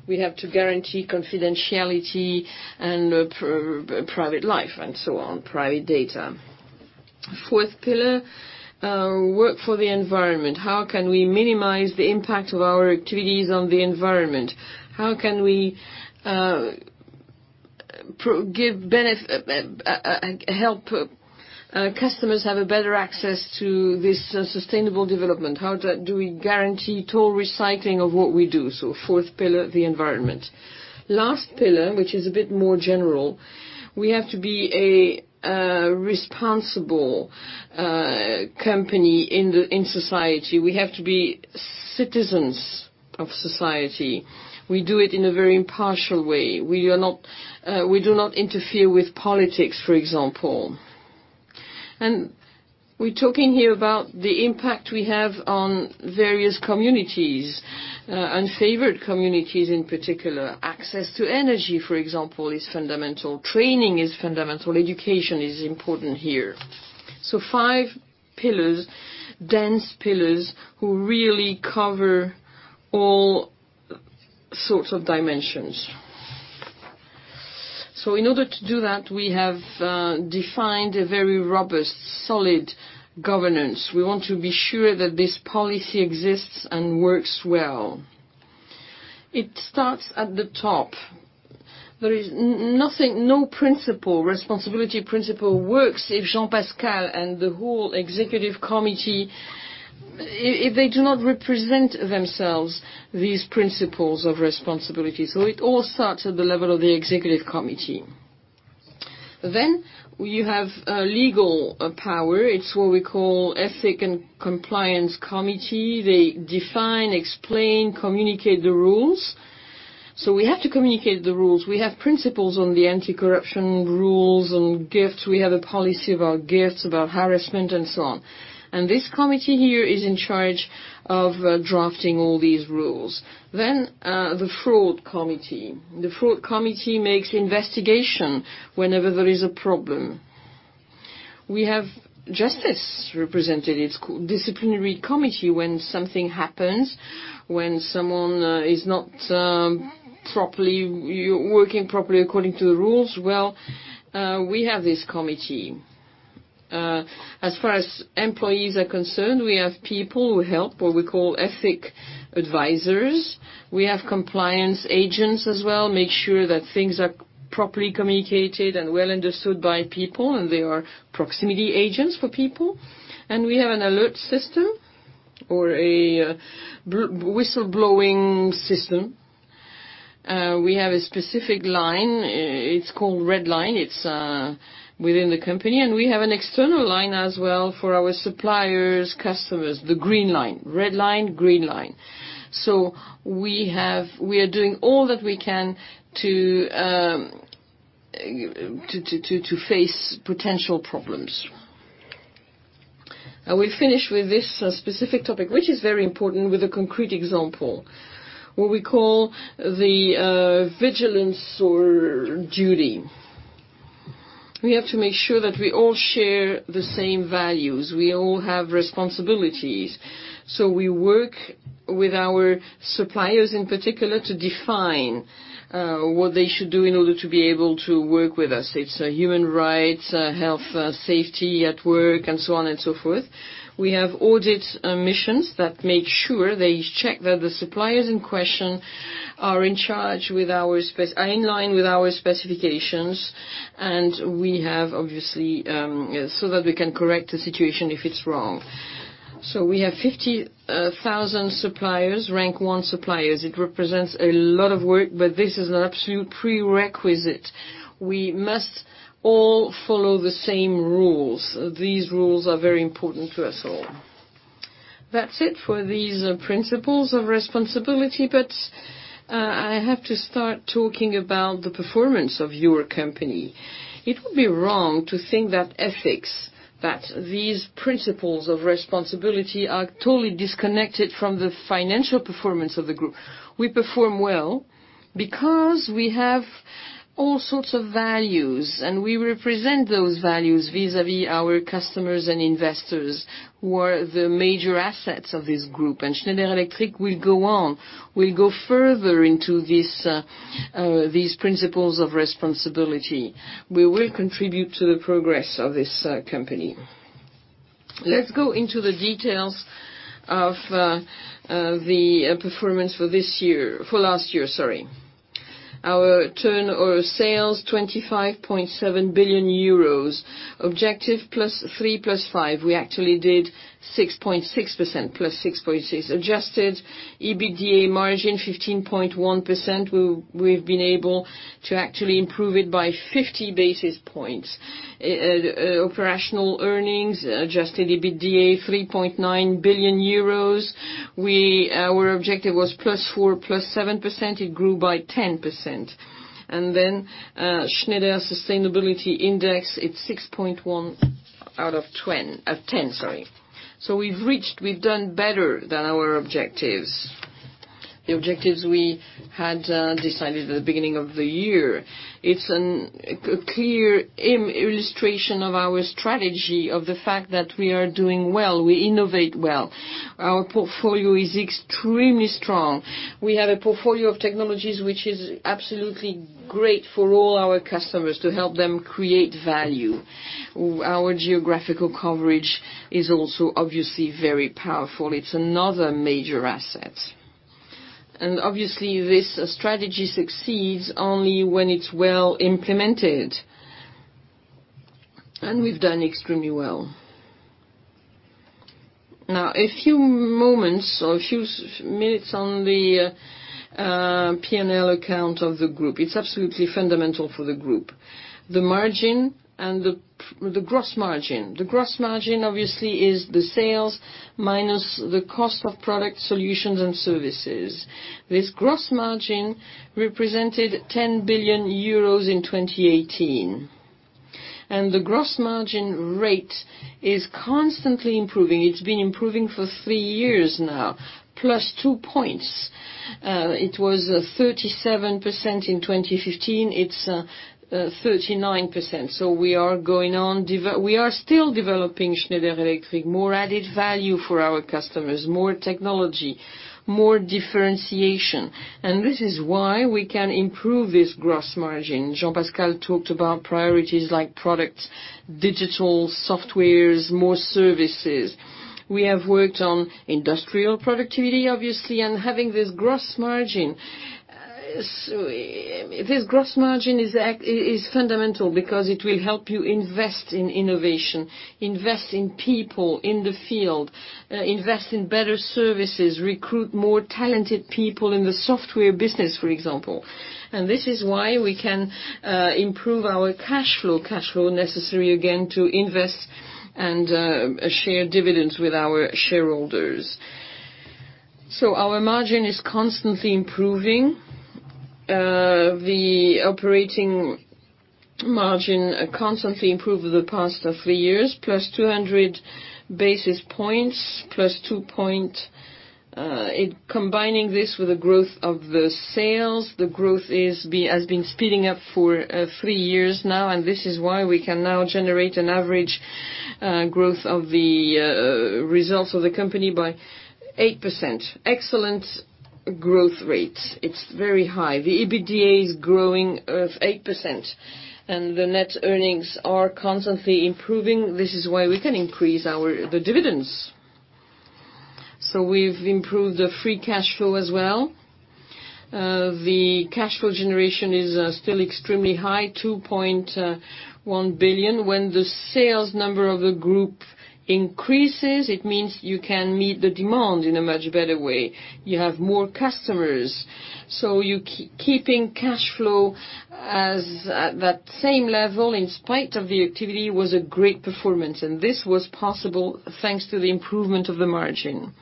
We have to guarantee confidentiality and private life and so on, private data. Fourth pillar, work for the environment. How can we minimize the impact of our activities on the environment? How can we help customers have a better access to this sustainable development? How do we guarantee total recycling of what we do? Fourth pillar, the environment. Last pillar, which is a bit more general, we have to be a responsible company in society. We have to be citizens of society. We do it in a very impartial way. We do not interfere with politics, for example. We're talking here about the impact we have on various communities, unfavored communities in particular. Access to energy, for example, is fundamental. Training is fundamental. Education is important here. Five pillars, dense pillars, who really cover all sorts of dimensions. In order to do that, we have defined a very robust, solid governance. We want to be sure that this policy exists and works well. It starts at the top. No responsibility principle works if Jean-Pascal and the whole executive committee, if they do not represent themselves, these principles of responsibility. It all starts at the level of the executive committee. You have legal power. It's what we call ethics and compliance committee. They define, explain, communicate the rules. We have to communicate the rules. We have principles on the anti-corruption rules on gifts. We have a policy about gifts, about harassment, and so on. This committee here is in charge of drafting all these rules. The fraud committee. The fraud committee makes investigations whenever there is a problem. We have justice represented. It's called disciplinary committee when something happens, when someone is not working properly according to the rules, well, we have this committee. As far as employees are concerned, we have people who help, what we call ethics advisors. We have compliance agents as well, make sure that things are properly communicated and well understood by people, and they are proximity agents for people. We have an alert system or a whistleblowing system. We have a specific line, it's called Red Line. It's within the company. We have an external line as well for our suppliers, customers, the Green Line. Red Line, Green Line. We are doing all that we can to face potential problems. We finish with this specific topic, which is very important with a concrete example. What we call the vigilance or duty. We have to make sure that we all share the same values. We all have responsibilities. We work with our suppliers in particular to define what they should do in order to be able to work with us. It's human rights, health, safety at work, and so on and so forth. We have audit missions that make sure they check that the suppliers in question are in line with our specifications, and we have, obviously, so that we can correct the situation if it's wrong. We have 50,000 suppliers, rank 1 suppliers. It represents a lot of work, but this is an absolute prerequisite. We must all follow the same rules. These rules are very important to us all. That's it for these principles of responsibility, I have to start talking about the performance of your company. It would be wrong to think that ethics, that these principles of responsibility are totally disconnected from the financial performance of the group. We perform well because we have all sorts of values, and we represent those values vis-à-vis our customers and investors, who are the major assets of this group. Schneider Electric will go on, will go further into these principles of responsibility. We will contribute to the progress of this company. Let's go into the details of the performance for last year. Our turnover or sales, 25.7 billion euros. Objective, +3%, +5%. We actually did +6.6%. Adjusted EBITDA margin, 15.1%. We've been able to actually improve it by 50 basis points. Operational earnings, Adjusted EBITDA, 3.9 billion euros. Our objective was +4%, +7%, it grew by 10%. Then Schneider Sustainability Impact, it's 6.1 out of 10. We've done better than our objectives, the objectives we had decided at the beginning of the year. It's a clear illustration of our strategy, of the fact that we are doing well. We innovate well. Our portfolio is extremely strong. We have a portfolio of technologies which is absolutely great for all our customers to help them create value. Our geographical coverage is also obviously very powerful. It's another major asset. Obviously this strategy succeeds only when it's well implemented. We've done extremely well. Now, a few moments or a few minutes on the P&L account of the group. It's absolutely fundamental for the group. The margin and the gross margin. The gross margin obviously is the sales minus the cost of product solutions and services. This gross margin represented 10 billion euros in 2018, and the gross margin rate is constantly improving. It's been improving for three years now, plus 2 points. It was 37% in 2015. It's 39%. We are going on. We are still developing Schneider Electric, more added value for our customers, more technology, more differentiation. This is why we can improve this gross margin. Jean-Pascal talked about priorities like products, digital, softwares, more services. We have worked on industrial productivity, obviously, and having this gross margin. This gross margin is fundamental because it will help you invest in innovation, invest in people in the field, invest in better services, recruit more talented people in the software business, for example. This is why we can improve our cash flow, cash flow necessary, again, to invest and share dividends with our shareholders. Our margin is constantly improving. The operating margin constantly improved the past three years, plus 200 basis points, plus 2 points. Combining this with the growth of the sales, the growth has been speeding up for three years now. This is why we can now generate an average growth of the results of the company by 8%. Excellent growth rate. It's very high. The EBITDA is growing of 8% and the net earnings are constantly improving. This is why we can increase the dividends. We've improved the free cash flow as well. The cash flow generation is still extremely high, 2.1 billion. When the sales number of a group increases, it means you can meet the demand in a much better way. You have more customers. Keeping cash flow at that same level, in spite of the activity, was a great performance, and this was possible thanks to the improvement of the margin.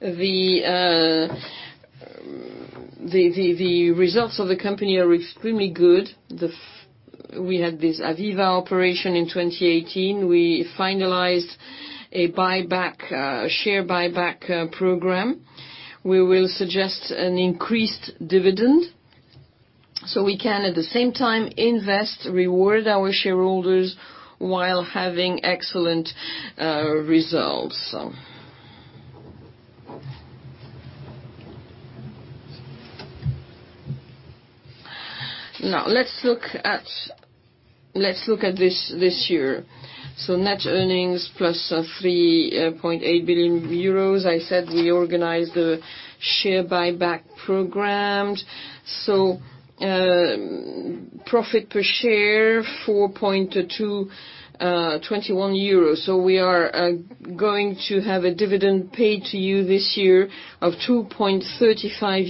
The results of the company are extremely good. We had this AVEVA operation in 2018. We finalized a share buyback program. We will suggest an increased dividend so we can, at the same time, invest, reward our shareholders while having excellent results. Now, let's look at this year. Net earnings plus 3.8 billion euros. I said we organized a share buyback program. Profit per share, 4.21 euros. We are going to have a dividend paid to you this year of 2.35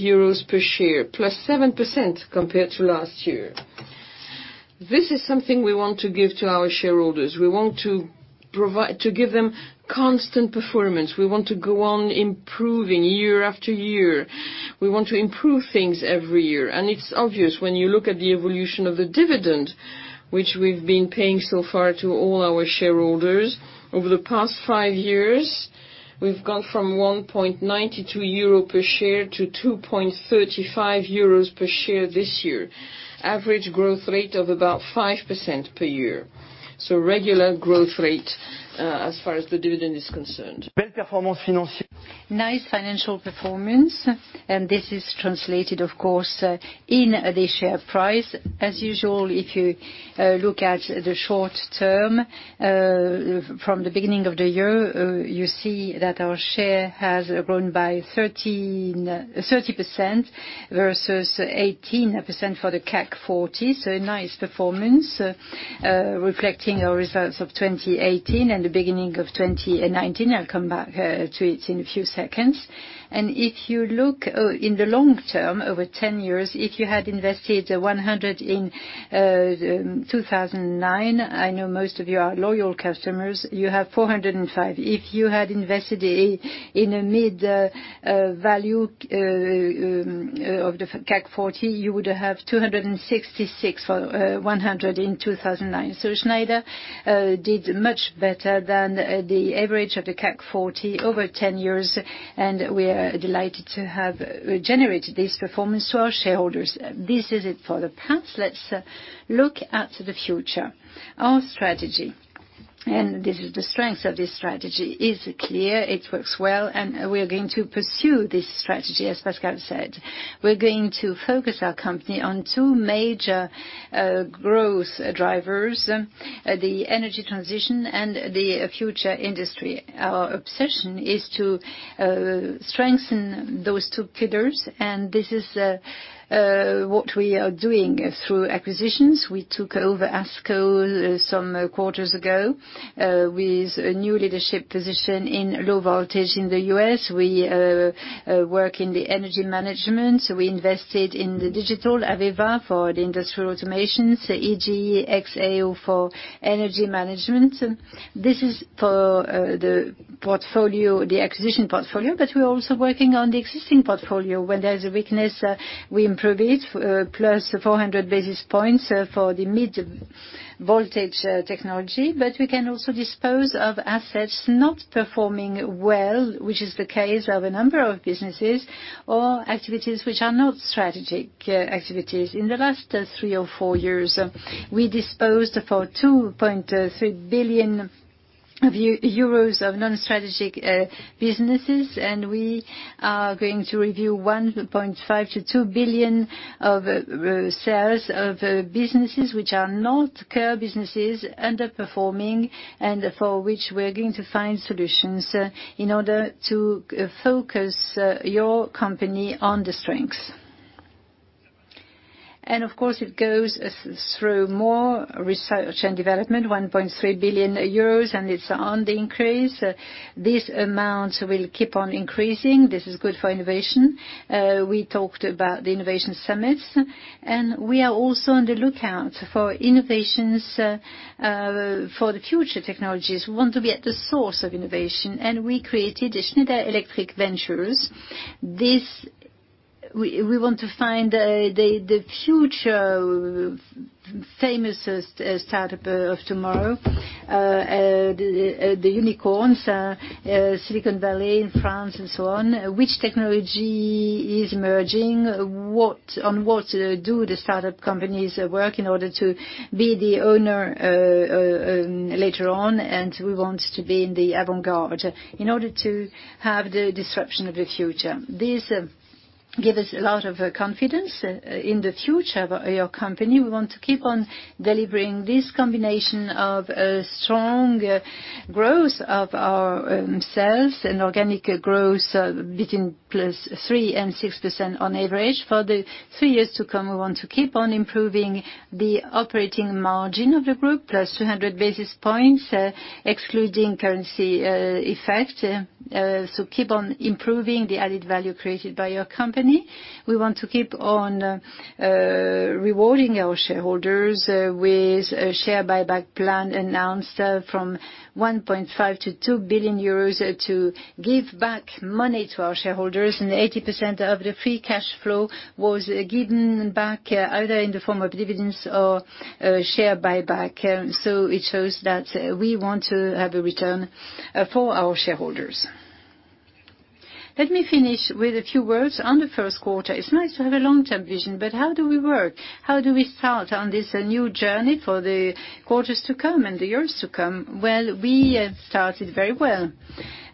euros per share, plus 7% compared to last year. This is something we want to give to our shareholders. We want to give them constant performance. We want to go on improving year after year. We want to improve things every year. It's obvious when you look at the evolution of the dividend, which we've been paying so far to all our shareholders. Over the past five years, we've gone from 1.92 euro per share to 2.35 euros per share this year. Average growth rate of about 5% per year. Regular growth rate as far as the dividend is concerned. Nice financial performance, this is translated, of course, in the share price. As usual, if you look at the short term from the beginning of the year, you see that our share has grown by 30% versus 18% for the CAC 40. Nice performance, reflecting our results of 2018 and the beginning of 2019. I'll come back to it in a few seconds. If you look in the long term, over 10 years, if you had invested 100 in 2009, I know most of you are loyal customers, you have 405. If you had invested in a mid value of the CAC 40, you would have 266 for 100 in 2009. Schneider did much better than the average of the CAC 40 over 10 years, and we are delighted to have generated this performance to our shareholders. This is it for the past. Let's look at the future. Our strategy. This is the strength of this strategy. It's clear, it works well, and we are going to pursue this strategy, as Pascal said. We're going to focus our company on two major growth drivers, the energy transition and the future industry. Our obsession is to strengthen those two pillars, and this is what we are doing through acquisitions. We took over ASCO some quarters ago with a new leadership position in low voltage in the U.S. We work in the energy management, we invested in the digital AVEVA for the industrial automations, IGE+XAO for energy management. This is for the acquisition portfolio, but we're also working on the existing portfolio. Where there's a weakness, we improve it, plus 400 basis points for the mid-voltage technology. We can also dispose of assets not performing well, which is the case of a number of businesses or activities which are not strategic activities. In the last three or four years, we disposed for 2.3 billion euros of non-strategic businesses, and we are going to review 1.5 billion to 2 billion of sales of businesses which are not core businesses, underperforming, and for which we are going to find solutions in order to focus your company on the strengths. Of course, it goes through more research and development, 1.3 billion euros, it's on the increase. These amounts will keep on increasing. This is good for innovation. We talked about the innovation summits, and we are also on the lookout for innovations for the future technologies. We want to be at the source of innovation, and we created the Schneider Electric Ventures. We want to find the future famous startup of tomorrow, the unicorns, Silicon Valley in France and so on. Which technology is emerging? On what do the startup companies work in order to be the owner later on? We want to be in the avant-garde in order to have the disruption of the future. This gives us a lot of confidence in the future of your company. We want to keep on delivering this combination of a strong growth of our sales and organic growth between +3% and +6% on average. For the three years to come, we want to keep on improving the operating margin of the group, +200 basis points, excluding currency effect. Keep on improving the added value created by your company. We want to keep on rewarding our shareholders with a share buyback plan announced from 1.5 billion to 2 billion euros to give back money to our shareholders. 80% of the free cash flow was given back either in the form of dividends or share buyback. It shows that we want to have a return for our shareholders. Let me finish with a few words on the first quarter. It's nice to have a long-term vision, but how do we work? How do we start on this new journey for the quarters to come and the years to come? Well, we have started very well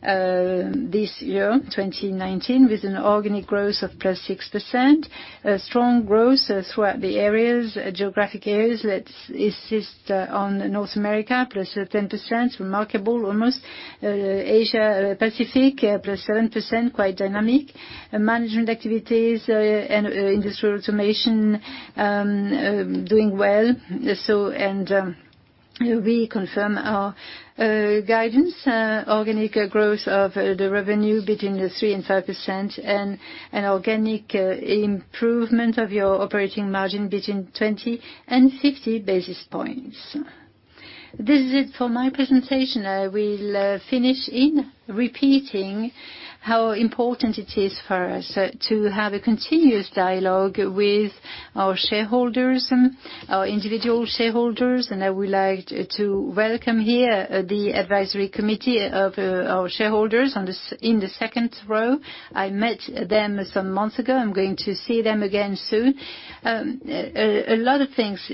this year, 2019, with an organic growth of +6%, a strong growth throughout the geographic areas. Let's insist on North America, +10%, remarkable almost. Asia Pacific, +7%, quite dynamic. Management activities and industrial automation doing well. We confirm our guidance, organic growth of the revenue between 3% and 5%, and an organic improvement of your operating margin between 20 and 50 basis points. This is it for my presentation. I will finish in repeating how important it is for us to have a continuous dialogue with our shareholders and our individual shareholders, and I would like to welcome here the advisory committee of our shareholders in the second row. I met them some months ago. I'm going to see them again soon. A lot of things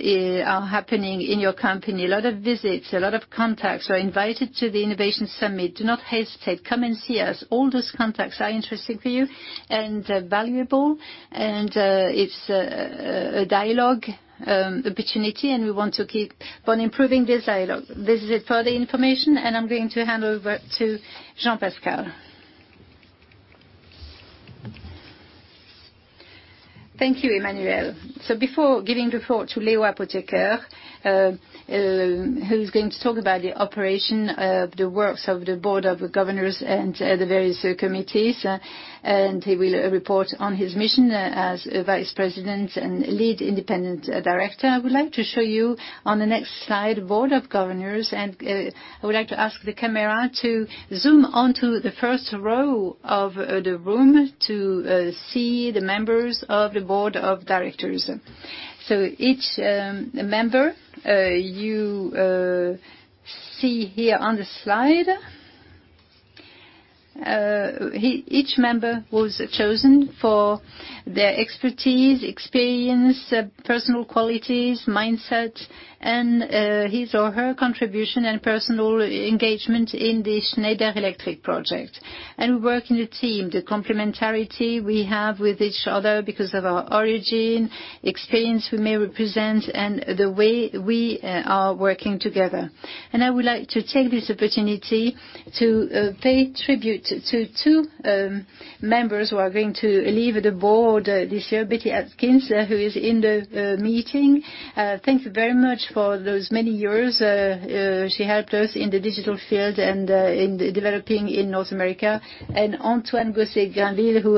are happening in your company, a lot of visits, a lot of contacts, so I invite you to the Innovation Summit. Do not hesitate. Come and see us. All those contacts are interesting for you and valuable, and it's a dialogue opportunity. We want to keep on improving this dialogue. This is it for the information. I'm going to hand over to Jean-Pascal. Thank you, Emmanuel. Before giving the floor to Léo Apotheker, who's going to talk about the operation of the works of the Board of Directors and the various committees, and he will report on his mission as Vice-Chairman Independent Lead Director, I would like to show you on the next slide Board of Directors, and I would like to ask the camera to zoom onto the first row of the room to see the members of the Board of Directors. Each member you see here on the slide. Each member was chosen for their expertise, experience, personal qualities, mindset, and his or her contribution and personal engagement in the Schneider Electric project. We work in a team, the complementarity we have with each other because of our origin, experience we may represent, and the way we are working together. I would like to take this opportunity to pay tribute to two members who are going to leave the Board this year, Betsy Atkins, who is in the meeting. Thank you very much for those many years. She helped us in the digital field and in developing in North America. Antoine Gosset-Grainville, who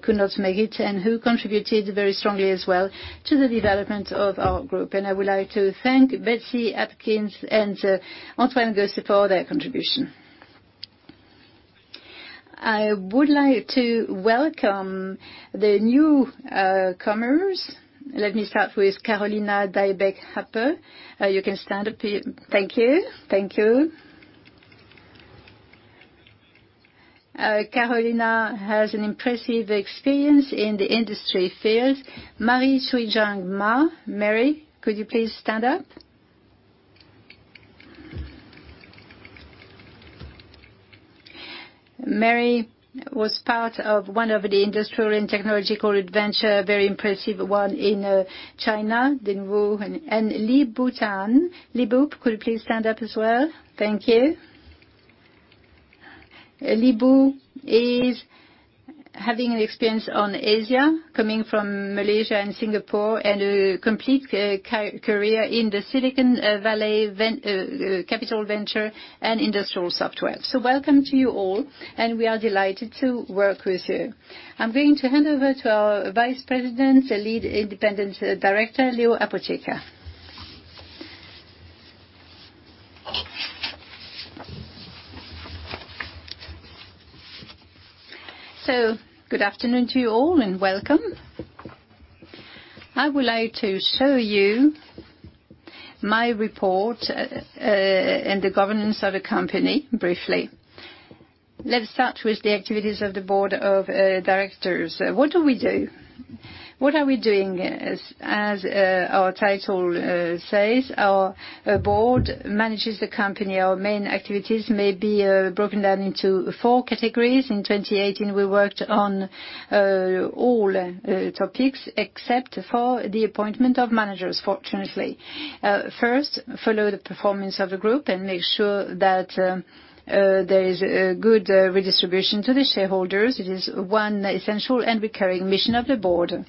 could not make it and who contributed very strongly as well to the development of our group. I would like to thank Betsy Atkins and Antoine Gosset for their contribution. I would like to welcome the newcomers. Let me start with Carolina Dybeck Happe. You can stand up, please. Thank you. Carolina has an impressive experience in the industry field. Xiaoyun Ma. Xiaoyun, could you please stand up? Xiaoyun was part of one of the industrial and technological adventure, very impressive one in China. Lip-Bu Tan. Lip-Bu, could you please stand up as well? Thank you. Lip-Bu is having an experience on Asia, coming from Malaysia and Singapore, and a complete career in the Silicon Valley capital venture and industrial software. Welcome to you all, and we are delighted to work with you. I am going to hand over to our Vice-Chairman Independent Lead Director, Léo Apotheker. Good afternoon to you all, and welcome. I would like to show you my report and the governance of the company briefly. Let us start with the activities of the Board of Directors. What do we do? What are we doing? As our title says, our Board manages the company. Our main activities may be broken down into 4 categories. In 2018, we worked on all topics except for the appointment of managers, fortunately. First, follow the performance of the group and make sure that there is a good redistribution to the shareholders. It is one essential and recurring mission of the Board. Then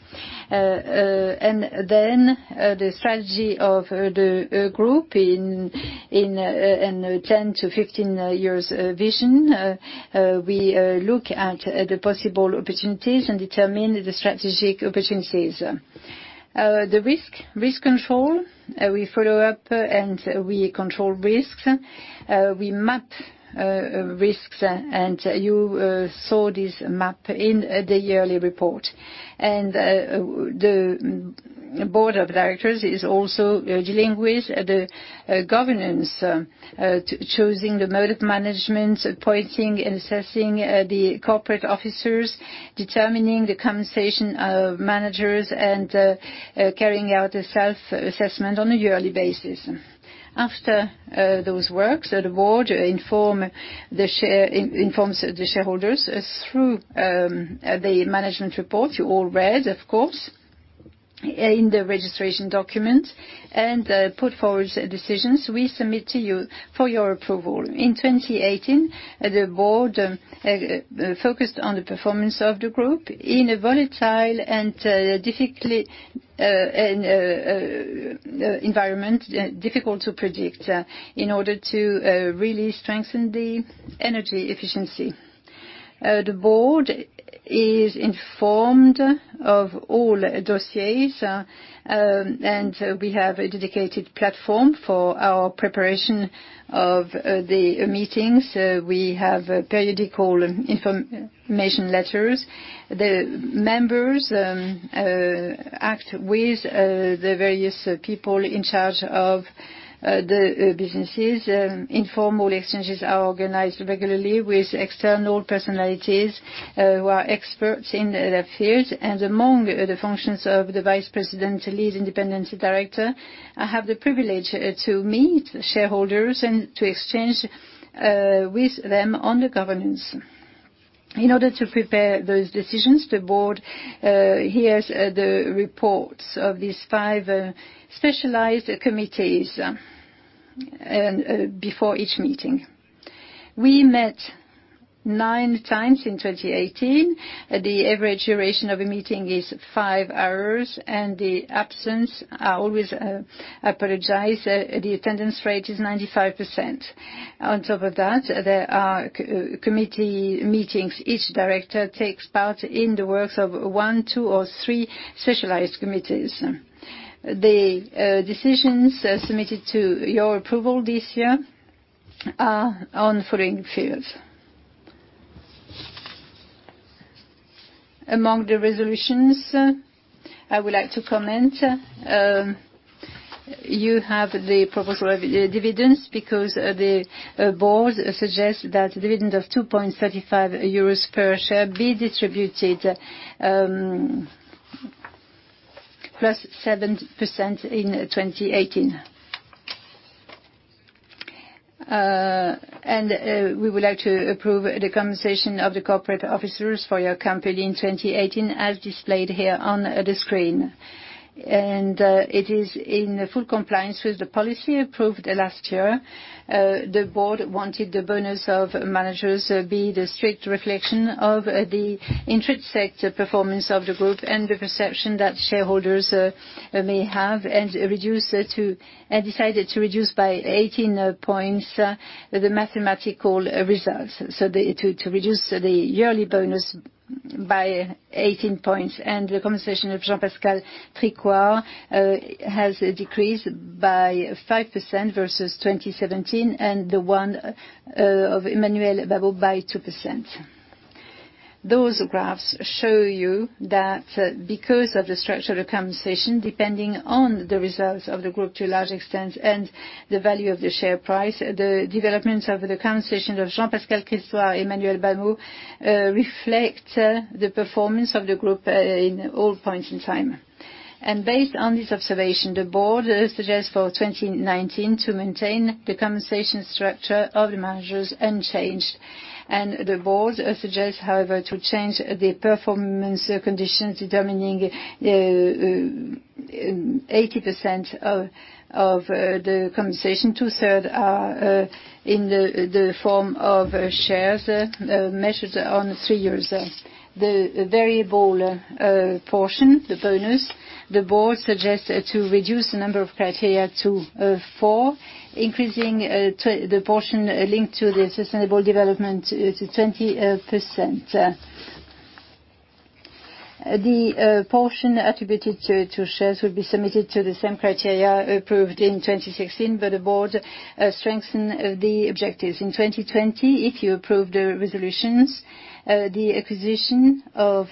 the strategy of the group in 10 to 15-year vision. We look at the possible opportunities and determine the strategic opportunities. The risk control, we follow up and we control risks. We map risks, and you saw this map in the yearly report. The Board of Directors is also dealing with the governance, choosing the mode of management, appointing and assessing the corporate officers, determining the compensation of managers, and carrying out a self-assessment on a yearly basis. After those works, the Board informs the shareholders through the management report, you all read, of course, in the registration document, put forward decisions we submit to you for your approval. In 2018, the Board focused on the performance of the group in a volatile and difficult environment, difficult to predict, in order to really strengthen the energy efficiency. The Board is informed of all dossiers, we have a dedicated platform for our preparation of the meetings. We have periodical information letters. The members act with the various people in charge of the businesses. Informal exchanges are organized regularly with external personalities who are experts in their fields. Among the functions of the Vice-Chairman Independent Lead Director, I have the privilege to meet shareholders and to exchange with them on the governance. In order to prepare those decisions, the board hears the reports of these five specialized committees before each meeting. We met nine times in 2018. The average duration of a meeting is five hours, the attendance rate is 95%. On top of that, there are committee meetings. Each director takes part in the works of one, two, or three specialized committees. The decisions submitted to your approval this year are on the following fields. Among the resolutions I would like to comment, you have the proposal of dividends because the board suggests that dividend of 2.35 euros per share be distributed, plus 7% in 2018. We would like to approve the compensation of the corporate officers for your company in 2018, as displayed here on the screen. It is in full compliance with the policy approved last year. The board wanted the bonus of managers be the strict reflection of the intrinsic performance of the group and the perception that shareholders may have, decided to reduce by 18 points the mathematical results, so to reduce the yearly bonus by 18 points. The compensation of Jean-Pascal Tricoire has decreased by 5% versus 2017, and the one of Emmanuel Babeau by 2%. Those graphs show you that because of the structure of compensation, depending on the results of the group to a large extent, and the value of the share price, the developments of the compensation of Jean-Pascal Tricoire, Emmanuel Babeau, reflect the performance of the group in all points in time. Based on this observation, the board suggests for 2019 to maintain the compensation structure of the managers unchanged. The board suggests, however, to change the performance conditions determining 80% of the compensation. Two-thirds are in the form of shares measured on three years. The variable portion, the bonus, the board suggests to reduce the number of criteria to four, increasing the portion linked to the sustainable development to 20%. The portion attributed to shares will be submitted to the same criteria approved in 2016, the board strengthen the objectives. In 2020, if you approve the resolutions, the acquisition of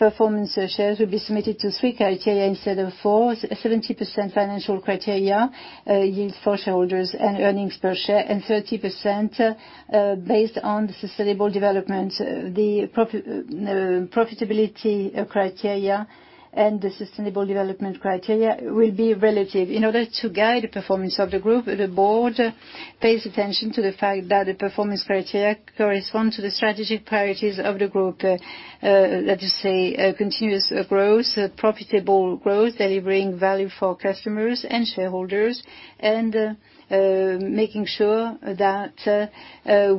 performance shares will be submitted to three criteria instead of four, 70% financial criteria, yield for shareholders and earnings per share, 30% based on the sustainable development. The profitability criteria and the sustainable development criteria will be relative. In order to guide the performance of the group, the board pays attention to the fact that the performance criteria correspond to the strategic priorities of the group. Let us say, continuous growth, profitable growth, delivering value for customers and shareholders, making sure that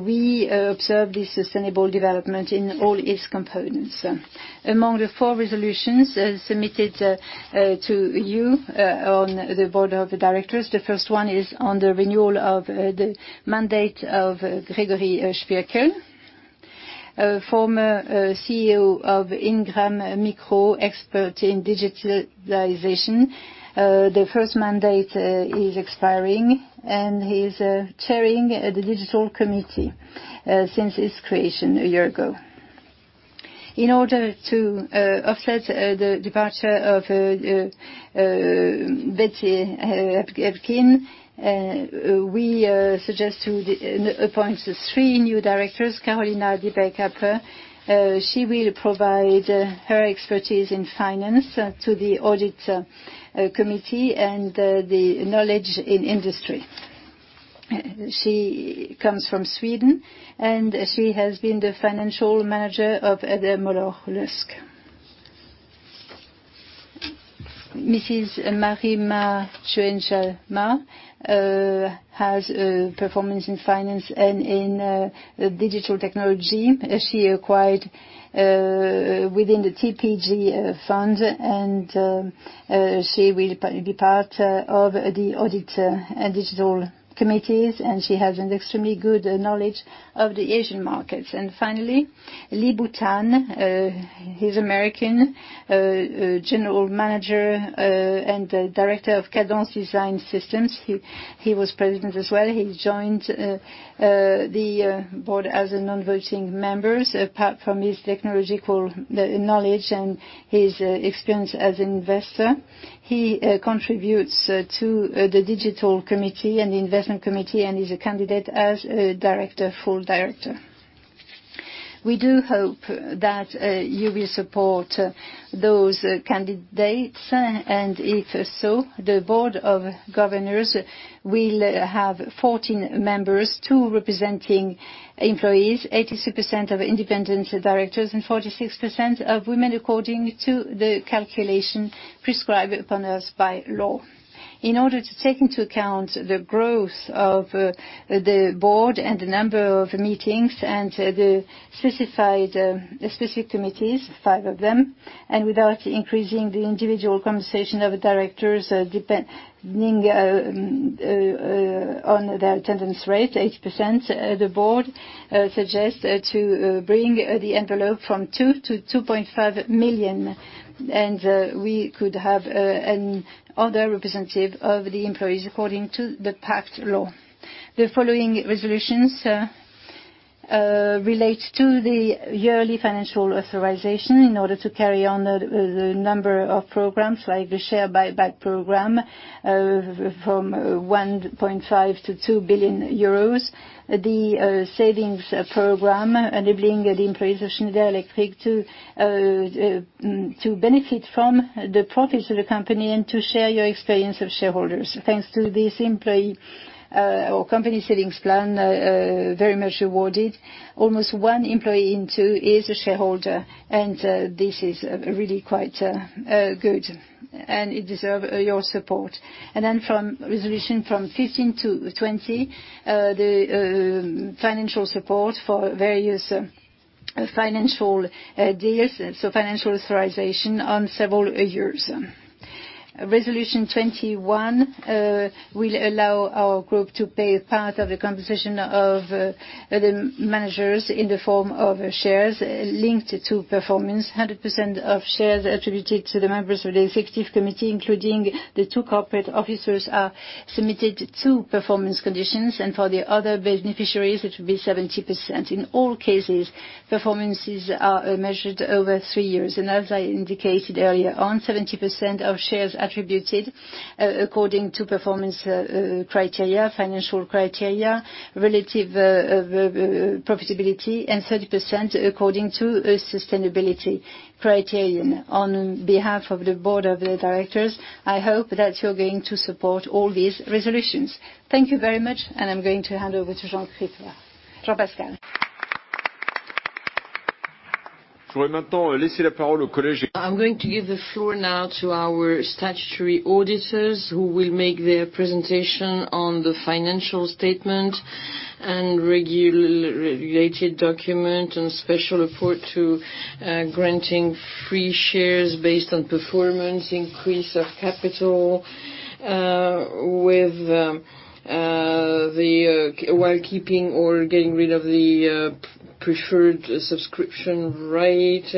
we observe the sustainable development in all its components. Among the four resolutions submitted to you on the Board of Directors, the first one is on the renewal of the mandate of Gregory Spierkel, former CEO of Ingram Micro, expert in digitalization. The first mandate is expiring and he's chairing the digital committee since its creation a year ago. In order to offset the departure of Betsy Atkins, we suggest to appoint three new directors. Carolina Dybeck Happe, she will provide her expertise in finance to the audit committee and the knowledge in industry. She comes from Sweden, she has been the financial manager of the Moller-Maersk. Mrs. Mary Ma Xuezheng has a performance in finance and in digital technology she acquired within the TPG fund, and she will be part of the audit and digital committees, and she has an extremely good knowledge of the Asian markets. Finally, Lip-Bu Tan. He is American, general manager and director of Cadence Design Systems. He was president as well. He joined the Board as a non-voting member. Apart from his technological knowledge and his experience as investor, he contributes to the digital committee and the investment committee and is a candidate as a full director. We do hope that you will support those candidates, and if so, the Board of Directors will have 14 members, two representing employees, 82% of independent directors, and 46% of women, according to the calculation prescribed upon us by law. In order to take into account the growth of the Board and the number of meetings and the specific committees, five of them, and without increasing the individual compensation of directors depending on their attendance rate, 80%, the Board suggests to bring the envelope from 2 million to 2.5 million. We could have another representative of the employees according to the PACTE law. The following resolutions relate to the yearly financial authorization in order to carry on the number of programs, like the share buyback program from 1.5 billion to 2 billion euros, the savings program enabling the employees of Schneider Electric to benefit from the profits of the company and to share your experience of shareholders. Thanks to this company savings plan, very much rewarded. Almost one employee in two is a shareholder, and this is really quite good, and it deserves your support. From resolution 15 to 20, the financial support for various financial deals, so financial authorization on several years. Resolution 21 will allow our group to pay part of the compensation of the managers in the form of shares linked to performance. 100% of shares attributed to the members of the executive committee, including the two corporate officers, are submitted to performance conditions, and for the other beneficiaries, it will be 70%. In all cases, performances are measured over three years. As I indicated earlier on, 70% of shares attributed according to performance criteria, financial criteria, relative profitability, and 30% according to a sustainability criterion. On behalf of the Board of Directors, I hope that you are going to support all these resolutions. Thank you very much, and I am going to hand over to Jean-Pascal. I am going to give the floor now to our Statutory Auditors who will make their presentation on the financial statement and regulated document and special report to granting free shares based on performance, increase of capital, while keeping or getting rid of the preferred subscription rate,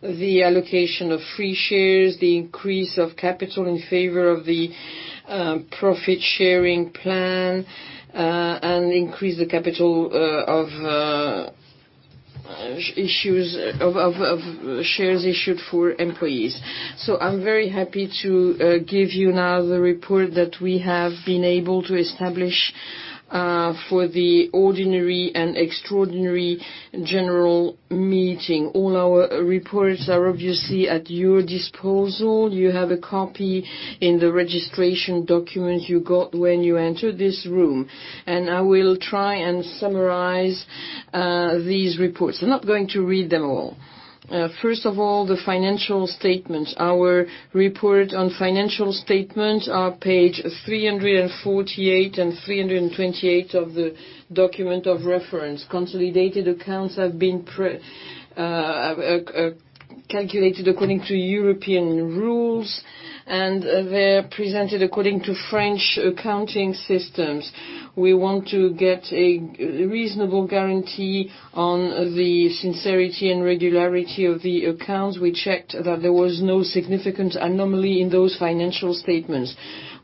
the allocation of free shares, the increase of capital in favor of the profit-sharing plan, and increase the capital of shares issued for employees. So I am very happy to give you now the report that we have been able to establish for the ordinary and extraordinary General Meeting. All our reports are obviously at your disposal. You have a copy in the registration document you got when you entered this room, I will try and summarize these reports. I am not going to read them all. First of all, the financial statements. Our report on financial statements are page 348 and 328 of the document of reference. Consolidated accounts have been calculated according to European rules, and they're presented according to French accounting systems. We want to get a reasonable guarantee on the sincerity and regularity of the accounts. We checked that there was no significant anomaly in those financial statements.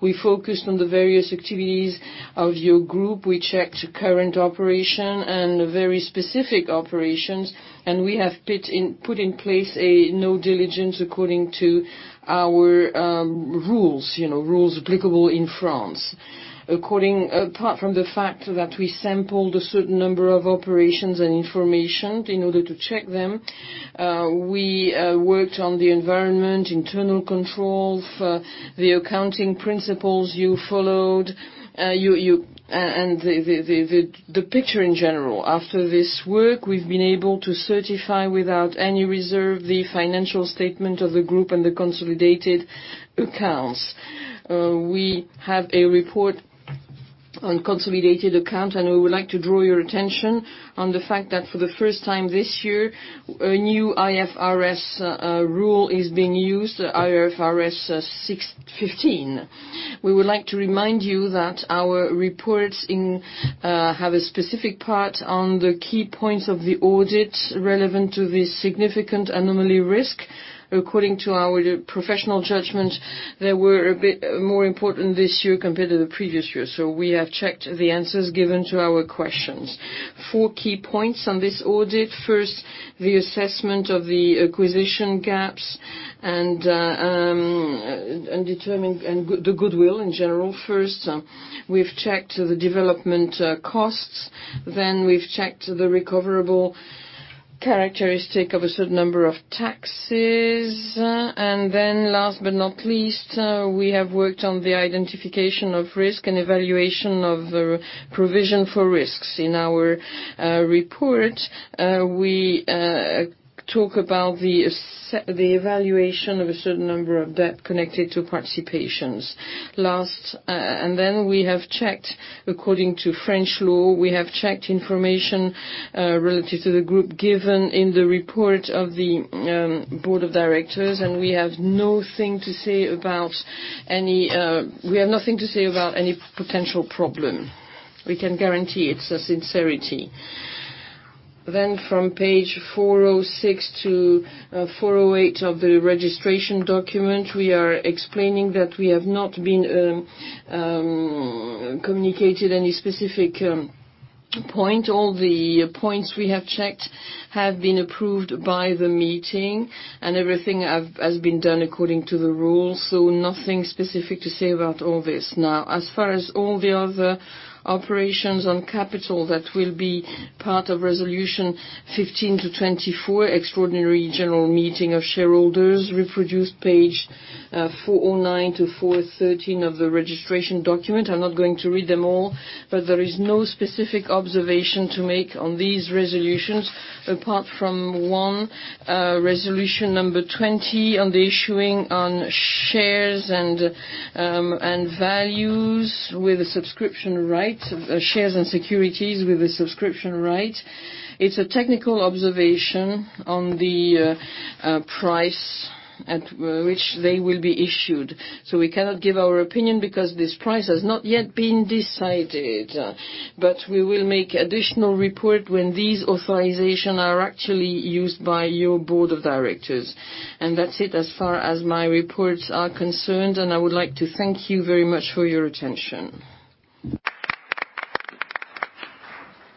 We focused on the various activities of your group. We checked current operation and very specific operations, and we have put in place a due diligence according to our rules applicable in France. Apart from the fact that we sampled a certain number of operations and information in order to check them, we worked on the environment, internal control for the accounting principles you followed, and the picture in general. After this work, we've been able to certify without any reserve the financial statement of the group and the consolidated accounts. We have a report on consolidated account, and we would like to draw your attention on the fact that for the first time this year, a new IFRS rule is being used, IFRS 16. We would like to remind you that our reports have a specific part on the key points of the audit relevant to the significant anomaly risk. According to our professional judgment, they were a bit more important this year compared to the previous year. We have checked the answers given to our questions. Four key points on this audit. First, the assessment of the acquisition gaps and determine the goodwill in general. First, we've checked the development costs, we've checked the recoverable characteristic of a certain number of taxes. Last but not least, we have worked on the identification of risk and evaluation of provision for risks. In our report, we talk about the evaluation of a certain number of debt connected to participations. Last, we have checked according to French law, we have checked information relative to the group given in the report of the Board of Directors, and we have nothing to say about any potential problem. We can guarantee its sincerity. From page 406 to 408 of the registration document, we are explaining that we have not been communicated any specific point. All the points we have checked have been approved by the meeting, and everything has been done according to the rules. Nothing specific to say about all this. As far as all the other operations on capital that will be part of Resolution 15 to 24, extraordinary general meeting of shareholders, reproduced page 409 to 413 of the registration document. I'm not going to read them all, there is no specific observation to make on these resolutions, apart from one, resolution number 20 on the issuing on shares and securities with a subscription right. It's a technical observation on the price at which they will be issued. We cannot give our opinion because this price has not yet been decided. We will make additional report when these authorization are actually used by your Board of Directors. That's it as far as my reports are concerned, and I would like to thank you very much for your attention.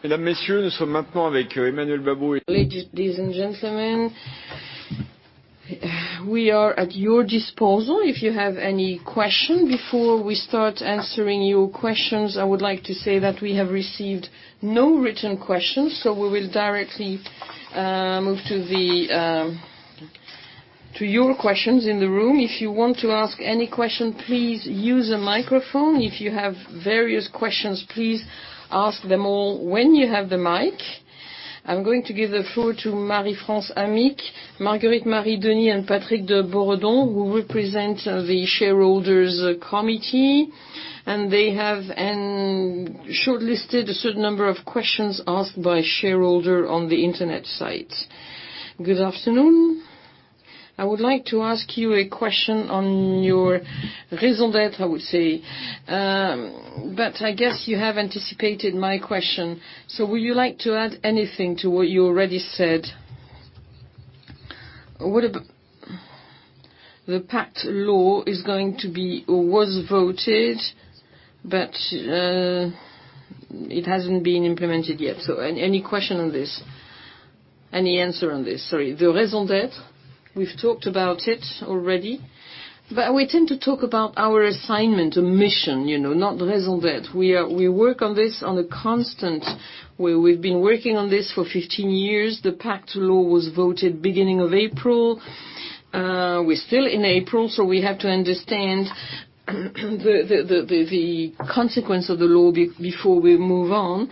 Ladies and gentlemen, we are at your disposal. If you have any question. Before we start answering your questions, I would like to say that we have received no written questions, we will directly move to your questions in the room. If you want to ask any question, please use a microphone. If you have various questions, please ask them all when you have the mic. I'm going to give the floor to Marie-France Amic, Marguerite Marie-Denise, and Patrick de Bourdon, who represent the Shareholders' Advisory Committee. They have shortlisted a certain number of questions asked by shareholder on the internet site. Good afternoon. I would like to ask you a question on your raison d'être, I would say. I guess you have anticipated my question. Would you like to add anything to what you already said? The PACT law was voted, but it hasn't been implemented yet. Any answer on this? The raison d'être, we've talked about it already. We tend to talk about our assignment or mission, not raison d'être. We work on this on a constant. We've been working on this for 15 years. The PACT law was voted beginning of April. We're still in April, so we have to understand the consequence of the law before we move on,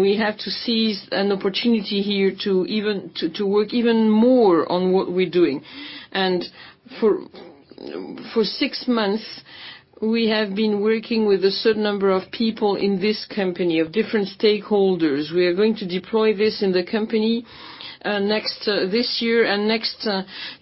we have to seize an opportunity here to work even more on what we're doing. For six months, we have been working with a certain number of people in this company, of different stakeholders. We are going to deploy this in the company this year, next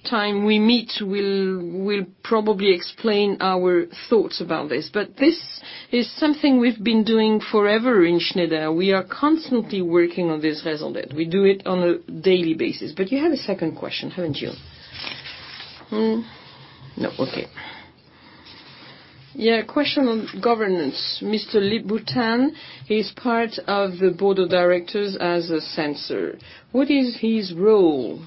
time we meet, we'll probably explain our thoughts about this. This is something we've been doing forever in Schneider. We are constantly working on this raison d'être. We do it on a daily basis. You had a second question, haven't you? No. Okay. Yeah, a question on governance. Mr. Lip-Bu Tan is part of the Board of Directors as a censor. What is his role?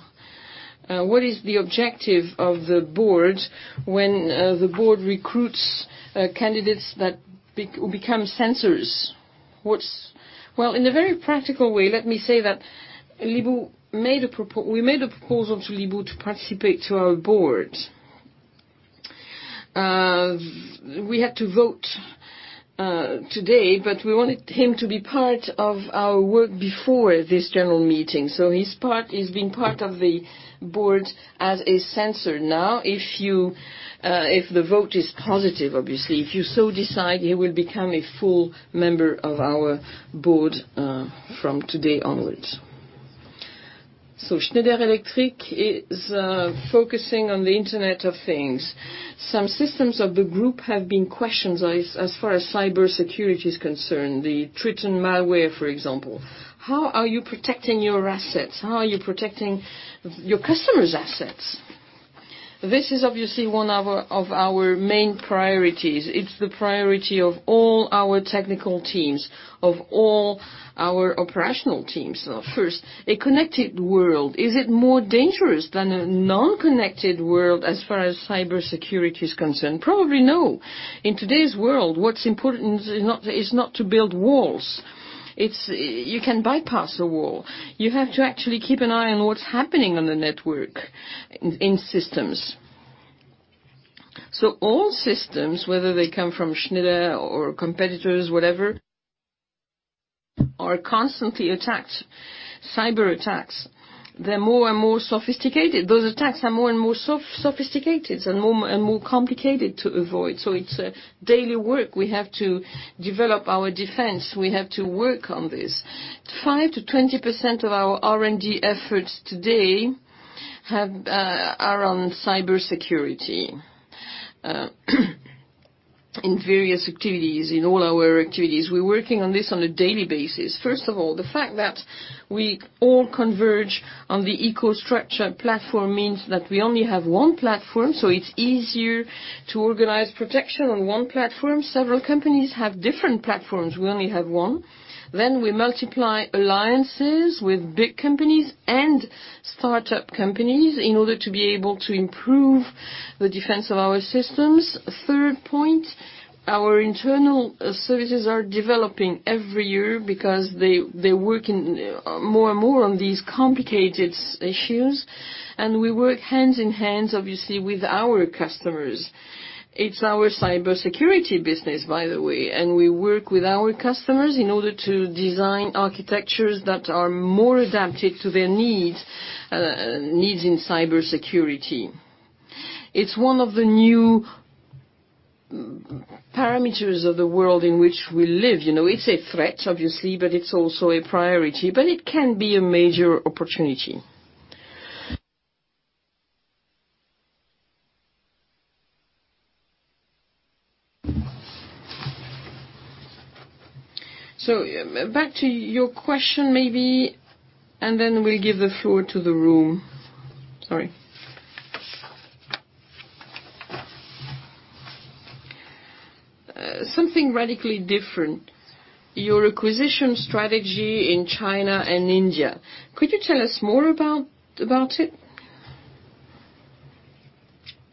What is the objective of the Board when the Board recruits candidates that will become censors? In a very practical way, let me say that we made a proposal to Lip-Bu to participate to our Board. We had to vote today, but we wanted him to be part of our work before this general meeting. He's been part of the Board as a censor now. If the vote is positive, obviously, if you so decide, he will become a full member of our Board from today onwards. Schneider Electric is focusing on the Internet of Things. Some systems of the group have been questioned as far as cybersecurity is concerned, the Triton malware, for example. How are you protecting your assets? How are you protecting your customers' assets? This is obviously one of our main priorities. It's the priority of all our technical teams, of all our operational teams. First, a connected world, is it more dangerous than a non-connected world as far as cybersecurity is concerned? Probably no. In today's world, what's important is not to build walls. You can bypass a wall. You have to actually keep an eye on what's happening on the network in systems. All systems, whether they come from Schneider or competitors, whatever, are constantly attacked. Cyberattacks, they're more and more sophisticated. Those attacks are more and more sophisticated and more complicated to avoid. It's a daily work. We have to develop our defense. We have to work on this. 5%-20% of our R&D efforts today are on cybersecurity. In various activities, in all our activities, we're working on this on a daily basis. First of all, the fact that we all converge on the EcoStruxure platform means that we only have one platform, so it's easier to organize protection on one platform. Several companies have different platforms. We only have one. We multiply alliances with big companies and startup companies in order to be able to improve the defense of our systems. Third point, our internal services are developing every year because they're working more and more on these complicated issues, and we work hand-in-hand, obviously, with our customers. It's our cybersecurity business, by the way, and we work with our customers in order to design architectures that are more adapted to their needs in cybersecurity. It's one of the new parameters of the world in which we live. It's a threat, obviously, but it's also a priority. It can be a major opportunity. Back to your question maybe, and then we'll give the floor to the room. Sorry. Something radically different, your acquisition strategy in China and India. Could you tell us more about it?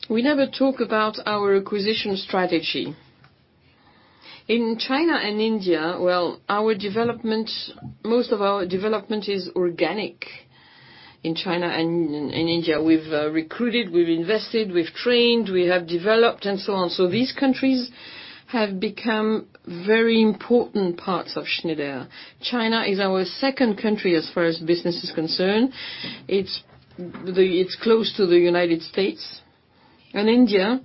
We never talk about our acquisition strategy. In China and India, well, most of our development is organic in China and India. We've recruited, we've invested, we've trained, we have developed, and so on. These countries have become very important parts of Schneider. China is our second country as far as business is concerned. It's close to the U.S. India,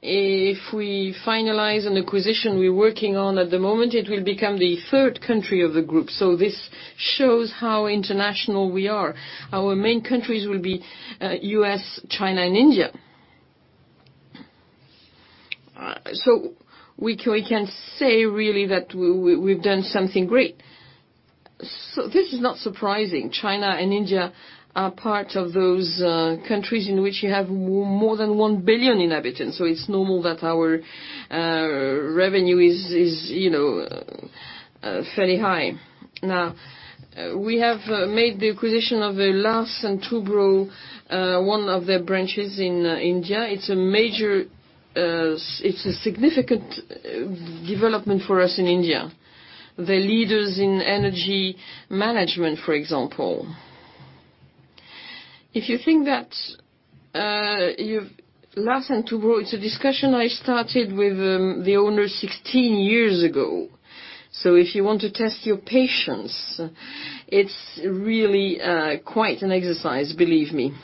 if we finalize an acquisition we're working on at the moment, it will become the third country of the group. This shows how international we are. Our main countries will be U.S., China, and India. We can say really that we've done something great. This is not surprising. China and India are part of those countries in which you have more than one billion inhabitants, so it's normal that our revenue is fairly high. We have made the acquisition of the Larsen & Toubro, one of their branches in India. It's a significant development for us in India. They're leaders in energy management, for example. Larsen & Toubro, it's a discussion I started with the owner 16 years ago. If you want to test your patience, it's really quite an exercise, believe me.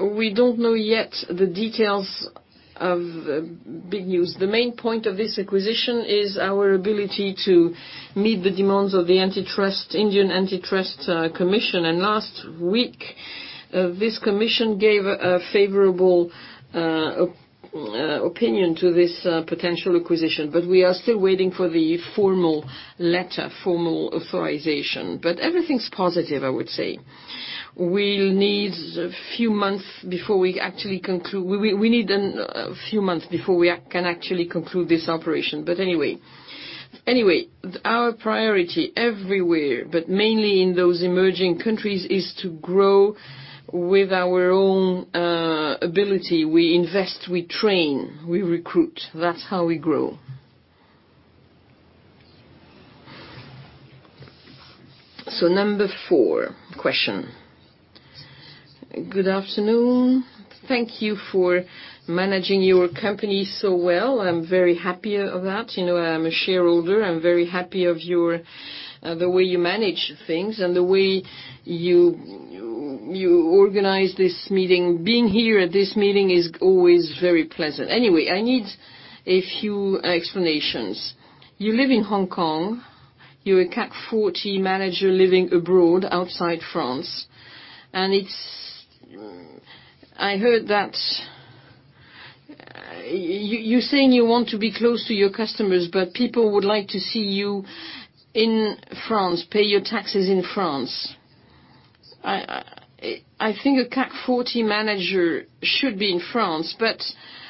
We don't know yet the details of big news. The main point of this acquisition is our ability to meet the demands of the Competition Commission of India, and last week, this commission gave a favorable opinion to this potential acquisition. We are still waiting for the formal letter, formal authorization. Everything's positive, I would say. We need a few months before we can actually conclude this operation. Anyway, our priority everywhere, but mainly in those emerging countries, is to grow with our own ability. We invest, we train, we recruit. That's how we grow. Number four question. Good afternoon. Thank you for managing your company so well. I'm very happy of that. I'm a shareholder. I'm very happy of the way you manage things and the way you organize this meeting. Being here at this meeting is always very pleasant. Anyway, I need a few explanations. You live in Hong Kong. You're a CAC 40 manager living abroad, outside France. I heard that you're saying you want to be close to your customers, but people would like to see you in France, pay your taxes in France. I think a CAC 40 manager should be in France.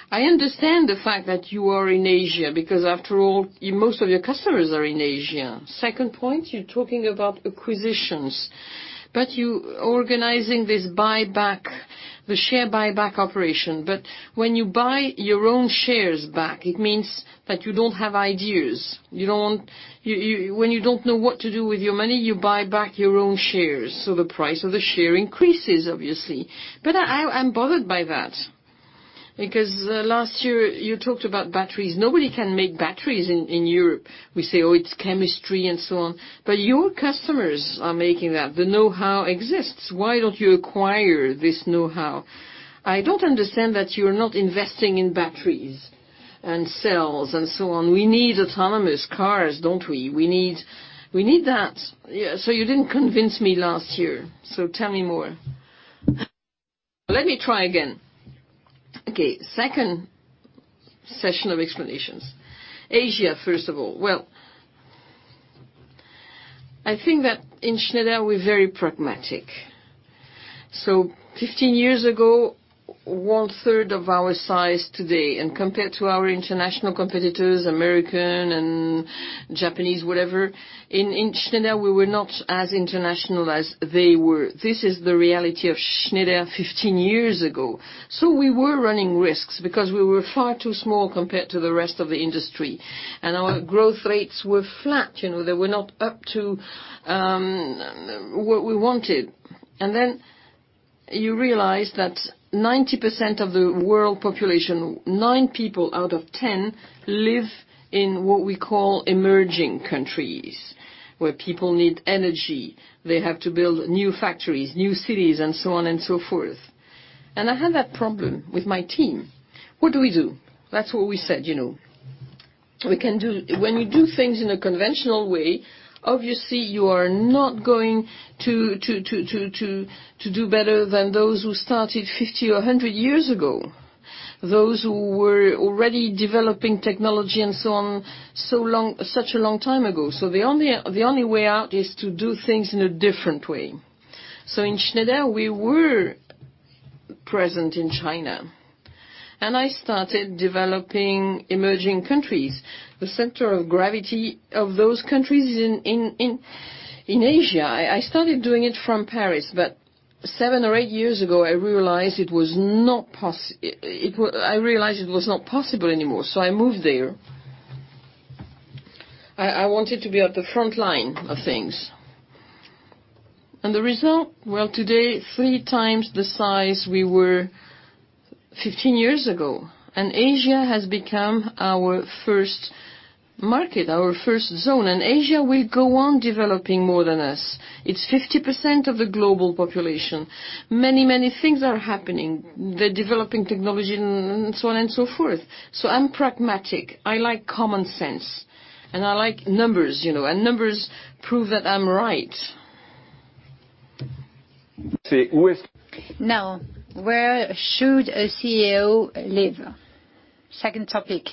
I understand the fact that you are in Asia. After all, most of your customers are in Asia. Second point, you're talking about acquisitions. You're organizing this share buyback operation. When you buy your own shares back, it means that you don't have ideas. When you don't know what to do with your money, you buy back your own shares, so the price of the share increases, obviously. I'm bothered by that. Last year, you talked about batteries. Nobody can make batteries in Europe. We say, "Oh, it's chemistry and so on." Your customers are making that. The know-how exists. Why don't you acquire this know-how? I don't understand that you're not investing in batteries and cells and so on. We need autonomous cars, don't we? We need that. You didn't convince me last year, so tell me more. Let me try again. Okay, second session of explanations. Asia, first of all. Well, I think that in Schneider, we're very pragmatic. 15 years ago, one third of our size today, compared to our international competitors, American and Japanese, whatever. In Schneider, we were not as international as they were. This is the reality of Schneider 15 years ago. We were running risks. We were far too small compared to the rest of the industry, and our growth rates were flat. They were not up to what we wanted. You realize that 90% of the world population, nine people out of 10, live in what we call emerging countries, where people need energy. They have to build new factories, new cities, and so on and so forth. I have that problem with my team. What do we do? That's what we said. When you do things in a conventional way, obviously, you are not going to do better than those who started 50 or 100 years ago. Those who were already developing technology and so on such a long time ago. The only way out is to do things in a different way. In Schneider, we were present in China. I started developing emerging countries. The center of gravity of those countries is in Asia. I started doing it from Paris. Seven or eight years ago, I realized it was not possible anymore. I moved there. I wanted to be at the front line of things. The result, well, today, three times the size we were 15 years ago. Asia has become our first market, our first zone. Asia will go on developing more than us. It's 50% of the global population. Many things are happening. They're developing technology, and so on and so forth. I'm pragmatic. I like common sense and I like numbers, and numbers prove that I'm right. Where should a CEO live? Second topic.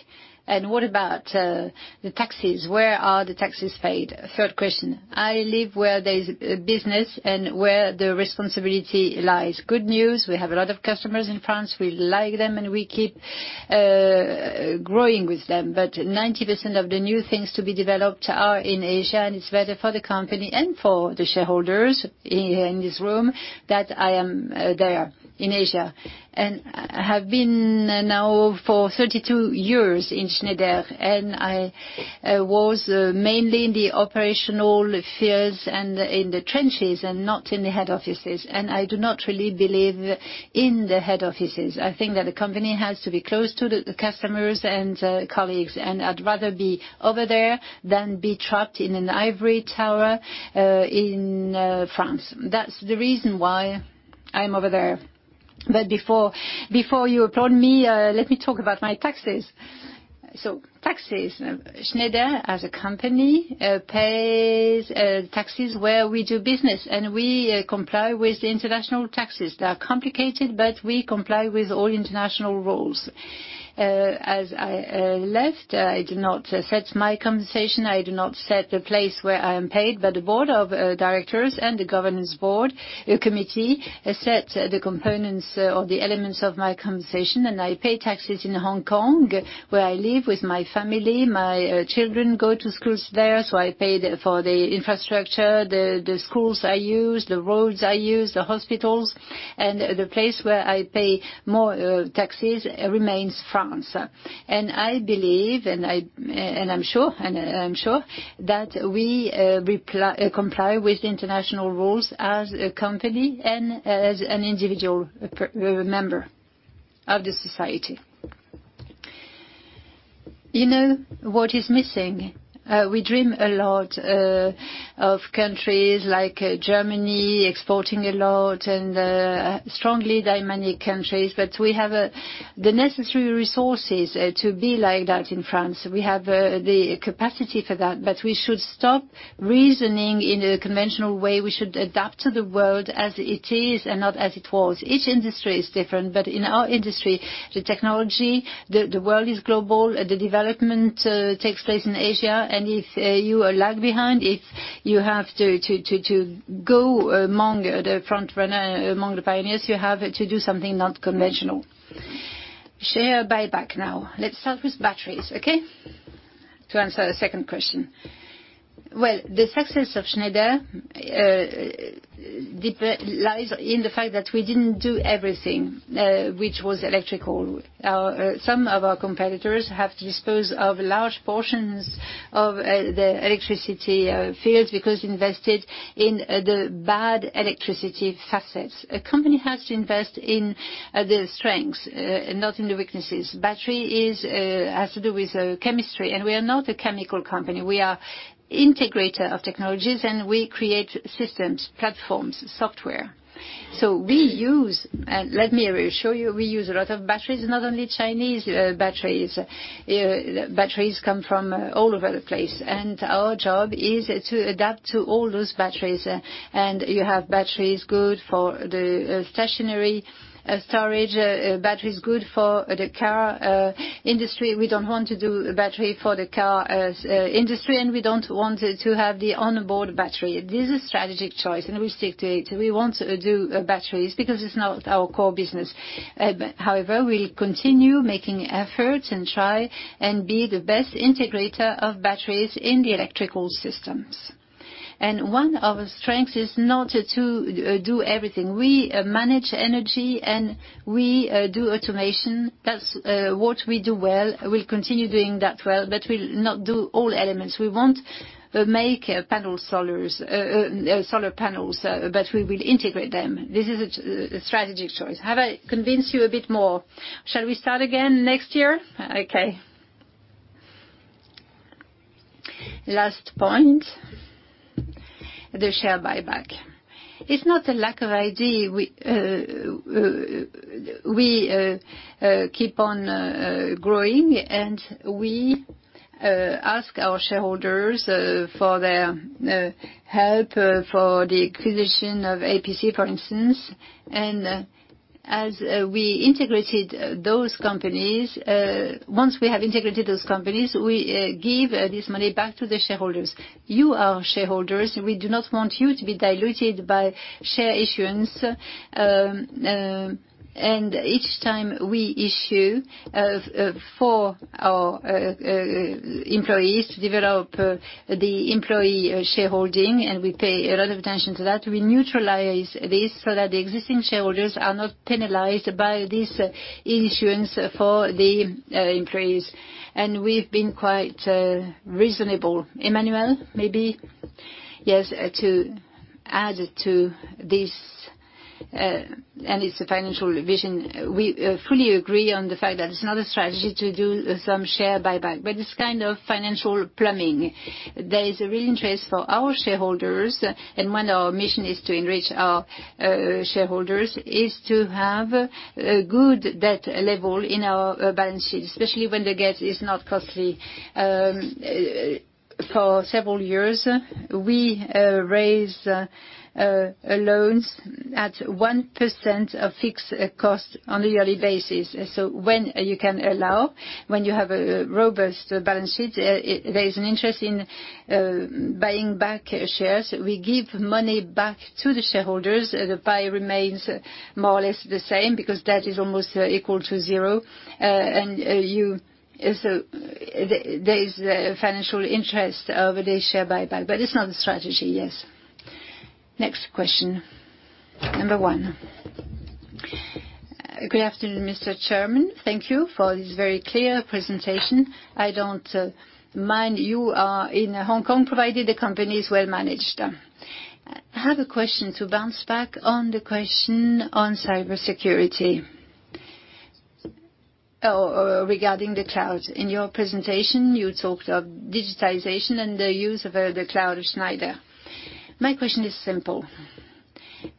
What about the taxes? Where are the taxes paid? Third question. I live where there is business and where the responsibility lies. Good news, we have a lot of customers in France. We like them, and we keep growing with them. 90% of the new things to be developed are in Asia, and it's better for the company and for the shareholders in this room that I am there in Asia. I have been now for 32 years in Schneider, and I was mainly in the operational fields and in the trenches and not in the head offices. I do not really believe in the head offices. I think that a company has to be close to the customers and colleagues, and I'd rather be over there than be trapped in an ivory tower in France. That's the reason why I'm over there. Before you applaud me, let me talk about my taxes. Taxes. Schneider, as a company, pays taxes where we do business, and we comply with the international taxes. They are complicated, but we comply with all international rules. As I left, I do not set my compensation. I do not set the place where I am paid, but the Board of Directors and the governance board committee set the components or the elements of my compensation, and I pay taxes in Hong Kong, where I live with my family. My children go to schools there, so I pay for the infrastructure, the schools I use, the roads I use, the hospitals. The place where I pay more taxes remains France. I believe, and I'm sure that we comply with international rules as a company and as an individual member of the society. You know what is missing? We dream a lot of countries like Germany exporting a lot and strongly dynamic countries, but we have the necessary resources to be like that in France. We have the capacity for that, but we should stop reasoning in a conventional way. We should adapt to the world as it is and not as it was. Each industry is different, but in our industry, the technology, the world is global. The development takes place in Asia. If you are lag behind, if you have to go among the frontrunner, among the pioneers, you have to do something not conventional. Share buyback now. Let's start with batteries, okay. To answer the second question. The success of Schneider lies in the fact that we didn't do everything which was electrical. Some of our competitors have disposed of large portions of the electricity fields because they invested in the bad electricity facets. A company has to invest in the strengths, not in the weaknesses. Battery has to do with chemistry, and we are not a chemical company. We are integrator of technologies, and we create systems, platforms, software. We use, let me reassure you, we use a lot of batteries, not only Chinese batteries. Batteries come from all over the place, and our job is to adapt to all those batteries. You have batteries good for the stationary storage, batteries good for the car industry. We don't want to do battery for the car industry, and we don't want to have the onboard battery. This is a strategic choice. We stick to it. We won't do batteries because it's not our core business. However, we'll continue making efforts and try and be the best integrator of batteries in the electrical systems. One of our strengths is not to do everything. We manage energy and we do automation. That's what we do well. We'll continue doing that well, but we'll not do all elements. We won't make solar panels, but we will integrate them. This is a strategic choice. Have I convinced you a bit more? Shall we start again next year? Okay. Last point, the share buyback. It's not a lack of idea. We keep on growing. We ask our shareholders for their help for the acquisition of APC, for instance. As we integrated those companies, once we have integrated those companies, we give this money back to the shareholders. You are shareholders. We do not want you to be diluted by share issuance. Each time we issue for our employees to develop the employee shareholding, and we pay a lot of attention to that, we neutralize this so that the existing shareholders are not penalized by this issuance for the employees. We've been quite reasonable. Emmanuel, maybe? Yes, to add to this. It's a financial vision. We fully agree on the fact that it's not a strategy to do some share buyback, but it's kind of financial plumbing. There is a real interest for our shareholders. One of our mission is to enrich our shareholders, is to have a good debt level in our balance sheet, especially when the gas is not costly. For several years, we raised loans at 1% of fixed cost on a yearly basis. When you can allow, when you have a robust balance sheet, there is an interest in buying back shares. We give money back to the shareholders. The pie remains more or less the same because debt is almost equal to zero. There is a financial interest of the share buyback, but it's not a strategy, yes. Next question, number one. Good afternoon, Mr. Chairman. Thank you for this very clear presentation. I don't mind you are in Hong Kong provided the company is well-managed. I have a question to bounce back on the question on cybersecurity regarding the cloud. In your presentation, you talked of digitization and the use of the cloud of Schneider. My question is simple.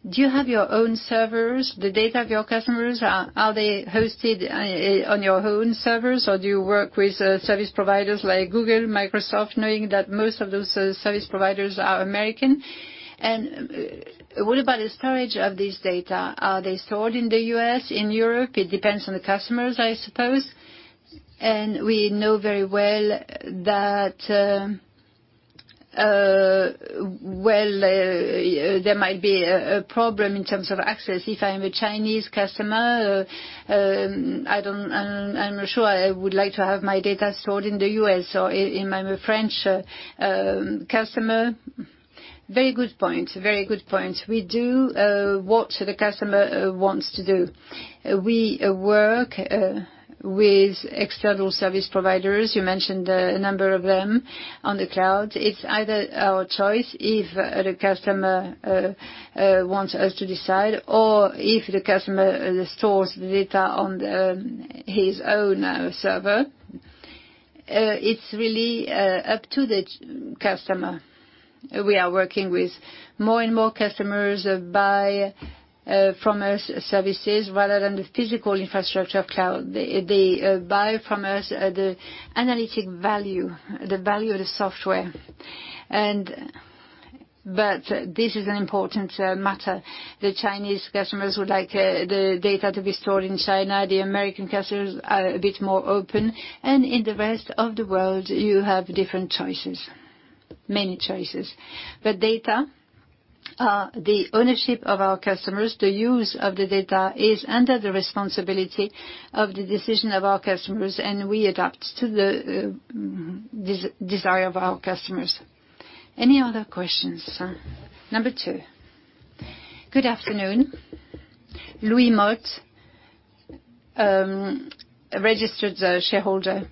Do you have your own servers? The data of your customers, are they hosted on your own servers, or do you work with service providers like Google, Microsoft, knowing that most of those service providers are American? What about the storage of this data? Are they stored in the U.S., in Europe? It depends on the customers, I suppose. We know very well that there might be a problem in terms of access. If I am a Chinese customer, I'm not sure I would like to have my data stored in the U.S. Or if I'm a French customer- Very good point. We do what the customer wants to do. We work with external service providers. You mentioned a number of them on the cloud. It's either our choice, if the customer wants us to decide, or if the customer stores data on his own server. It's really up to the customer. We are working with more and more customers buy from us services rather than the physical infrastructure of cloud. They buy from us the analytic value, the value of the software. This is an important matter. The Chinese customers would like the data to be stored in China. The American customers are a bit more open. In the rest of the world, you have different choices, many choices. Data, the ownership of our customers, the use of the data is under the responsibility of the decision of our customers, and we adapt to the desire of our customers. Any other questions? Number 2. Good afternoon. Louis Mouton, registered shareholder.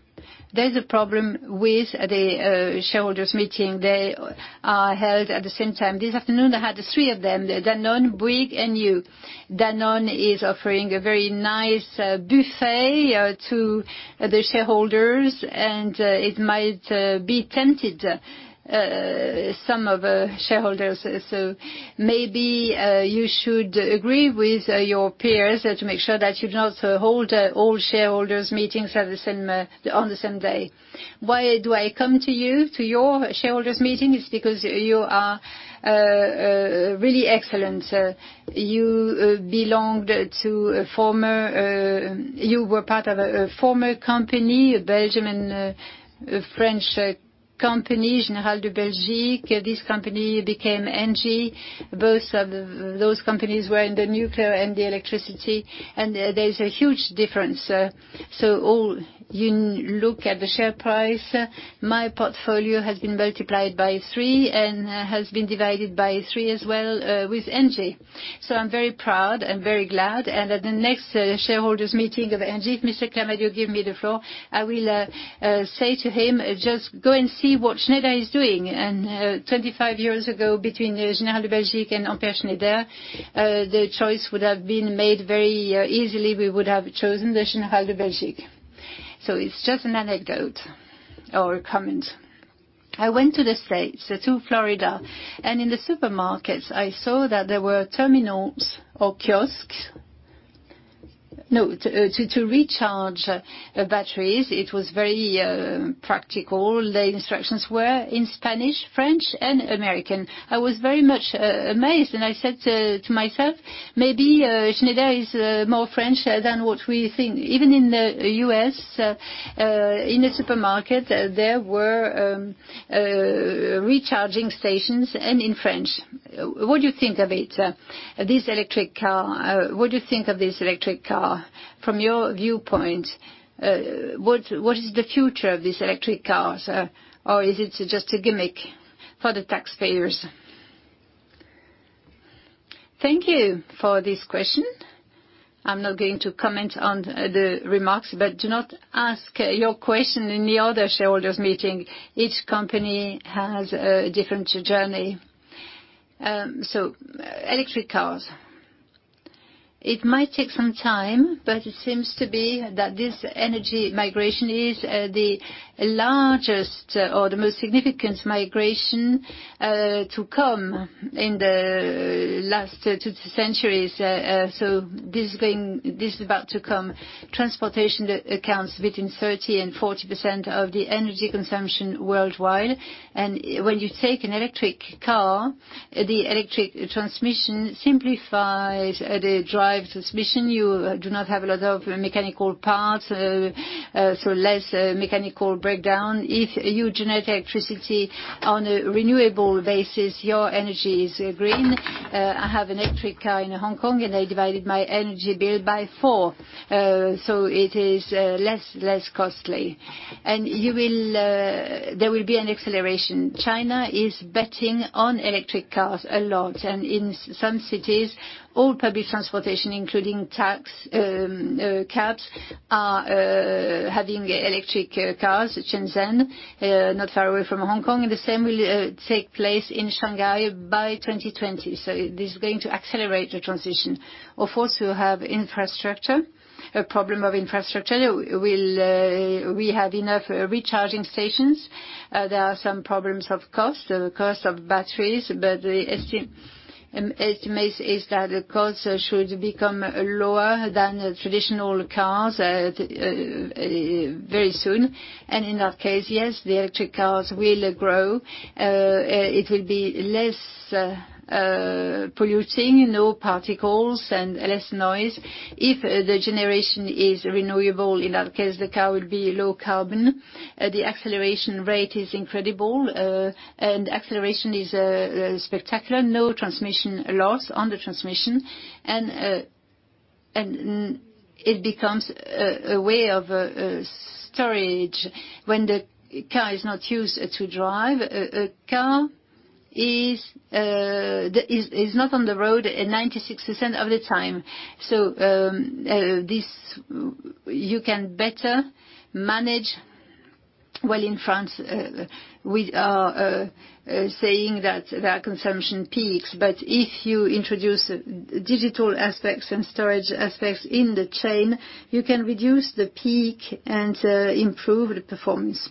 There is a problem with the shareholders' meeting. They are held at the same time. This afternoon, I had three of them, Danone, Bouygues, and you. Danone is offering a very nice buffet to the shareholders, it might be tempting some of the shareholders. Maybe you should agree with your peers to make sure that you do not hold all shareholders' meetings on the same day. Why do I come to you, to your shareholders' meeting? It is because you are really excellent. You were part of a former company, Belgium and a French companies, Société Générale de Belgique, this company became Engie. Both of those companies were in the nuclear and the electricity, there is a huge difference. All, you look at the share price, my portfolio has been multiplied by three and has been divided by three as well with Engie. I am very proud and very glad. At the next shareholders' meeting of Engie, if Mr. Clamadieu give me the floor, I will say to him, "Just go and see what Schneider is doing." 25 years ago, between Société Générale de Belgique and Empain-Schneider, the choice would have been made very easily. We would have chosen the Société Générale de Belgique. It is just an anecdote or a comment. I went to the U.S., to Florida, in the supermarkets, I saw that there were terminals or kiosks to recharge batteries. It was very practical. The instructions were in Spanish, French, and American. I was very much amazed, I said to myself, "Maybe Schneider is more French than what we think." Even in the U.S., in the supermarket, there were recharging stations and in French. What do you think of it, this electric car? What do you think of this electric car from your viewpoint? What is the future of these electric cars, or is it just a gimmick for the taxpayers? Thank you for this question. I am not going to comment on the remarks, do not ask your question in the other shareholders' meeting. Each company has a different journey. Electric cars. It might take some time, it seems to be that this energy migration is the largest or the most significant migration to come in the last two centuries. This is about to come. Transportation accounts between 30% and 40% of the energy consumption worldwide. When you take an electric car, the electric transmission simplifies the drive transmission. You do not have a lot of mechanical parts, so less mechanical breakdown. If you generate electricity on a renewable basis, your energy is green. I have an electric car in Hong Kong. I divided my energy bill by four. It is less costly. There will be an acceleration. China is betting on electric cars a lot. In some cities, all public transportation, including cabs, are having electric cars, Shenzhen, not far away from Hong Kong. The same will take place in Shanghai by 2020. This is going to accelerate the transition. Of course, you have infrastructure, a problem of infrastructure. Will we have enough recharging stations? There are some problems of cost, the cost of batteries, but the estimate is that the cost should become lower than traditional cars very soon. In that case, yes, the electric cars will grow. It will be less polluting, no particles, and less noise. If the generation is renewable, in that case, the car will be low carbon. The acceleration rate is incredible, and acceleration is spectacular. No transmission loss on the transmission. It becomes a way of storage when the car is not used to drive. A car is not on the road 96% of the time. You can better manage Well, in France, we are saying that there are consumption peaks, but if you introduce digital aspects and storage aspects in the chain, you can reduce the peak and improve the performance.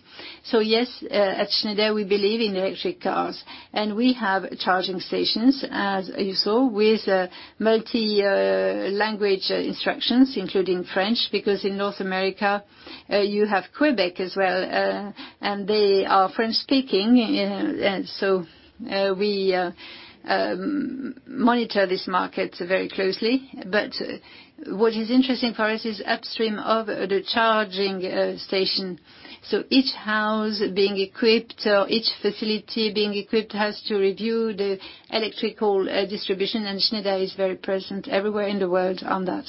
Yes, at Schneider, we believe in electric cars, and we have charging stations, as you saw, with multi-language instructions, including French, because in North America, you have Quebec as well, and they are French-speaking. We monitor this market very closely. What is interesting for us is upstream of the charging station. Each house being equipped or each facility being equipped has to review the electrical distribution, and Schneider is very present everywhere in the world on that.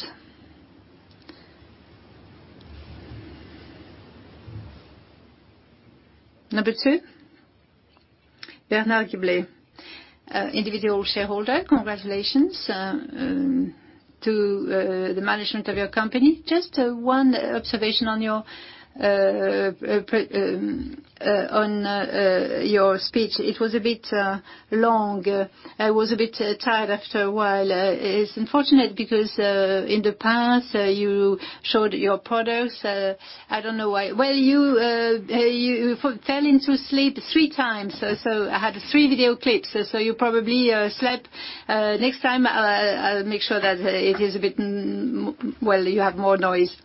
Number two. Bernard Gault. Individual shareholder. Congratulations to the management of your company. Just one observation on your speech. It was a bit long. I was a bit tired after a while. It's unfortunate because in the past, you showed your products. I don't know why. Well, you fell into sleep three times, so I had three video clips, so you probably slept. Next time, I'll make sure that it is a bit, well, you have more noise.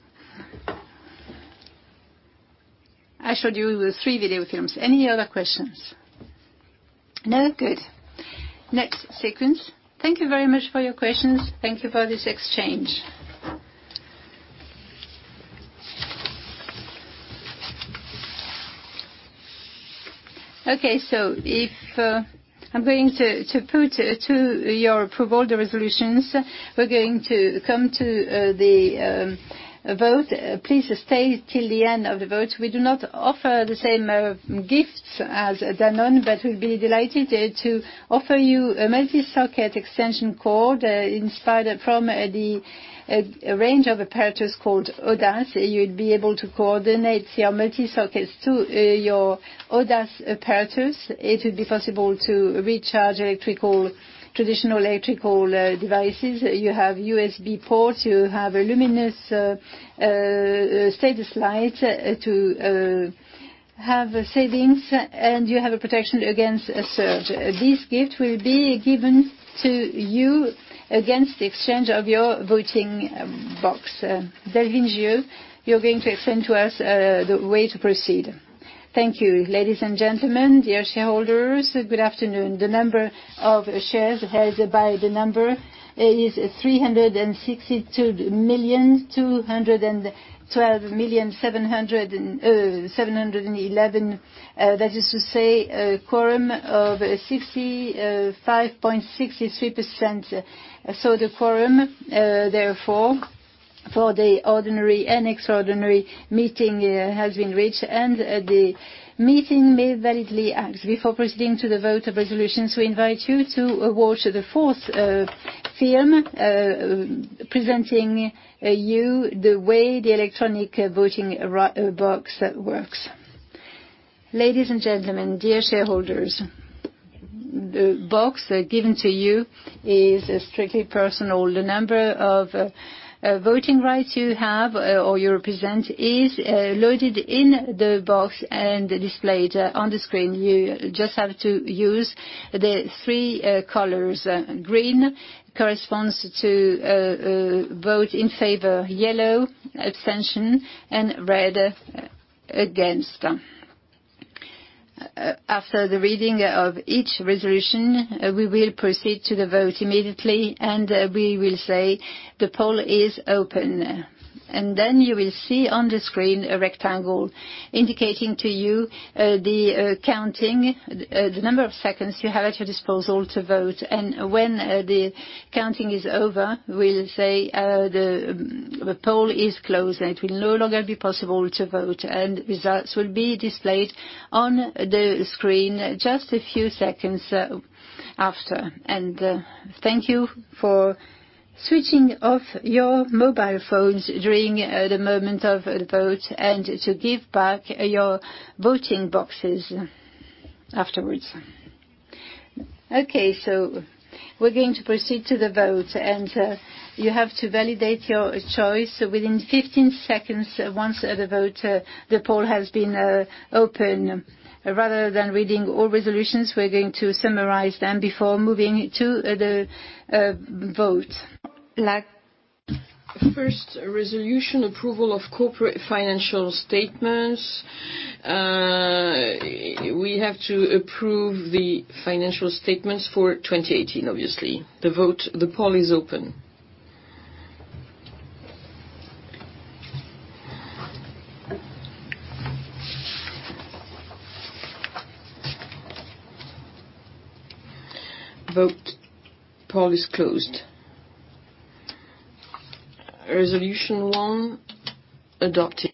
I showed you the three video films. Any other questions? No? Good. Next sequence. Thank you very much for your questions. Thank you for this exchange. Okay. I'm going to put to your approval the resolutions. We're going to come to the vote. Please stay till the end of the vote. We do not offer the same gifts as Danone, but we'll be delighted to offer you a multi-socket extension cord from the range of apparatus called Odace. You'll be able to coordinate your multi-sockets to your Odace apparatus. It will be possible to recharge traditional electrical devices. You have USB ports, you have a luminous status light to have savings, and you have a protection against a surge. This gift will be given to you against the exchange of your voting box. Delphine Gieux, you're going to explain to us the way to proceed. Thank you. Ladies and gentlemen, dear shareholders, good afternoon. The number of shares held by the number is 362,212,711. That is to say a quorum of 65.63%. The quorum, therefore, for the ordinary and extraordinary meeting has been reached, and the meeting may validly act. Before proceeding to the vote of resolutions, we invite you to watch the fourth film, presenting you the way the electronic voting box works. Ladies and gentlemen, dear shareholders, the box given to you is strictly personal. The number of voting rights you have or you represent is loaded in the box and displayed on the screen. You just have to use the three colors. Green corresponds to vote in favor, yellow, abstention, and red, against. After the reading of each resolution, we will proceed to the vote immediately. We will say, "The poll is open." You will see on the screen a rectangle indicating to you the counting, the number of seconds you have at your disposal to vote. When the counting is over, we'll say, "The poll is closed," and it will no longer be possible to vote. Results will be displayed on the screen just a few seconds after. Thank you for switching off your mobile phones during the moment of the vote and to give back your voting boxes afterwards. We're going to proceed to the vote, and you have to validate your choice within 15 seconds once the poll has been opened. Rather than reading all resolutions, we're going to summarize them before moving to the vote. First resolution, approval of corporate financial statements. We have to approve the financial statements for 2018, obviously. The poll is open. Vote. Poll is closed. Resolution one, adopted.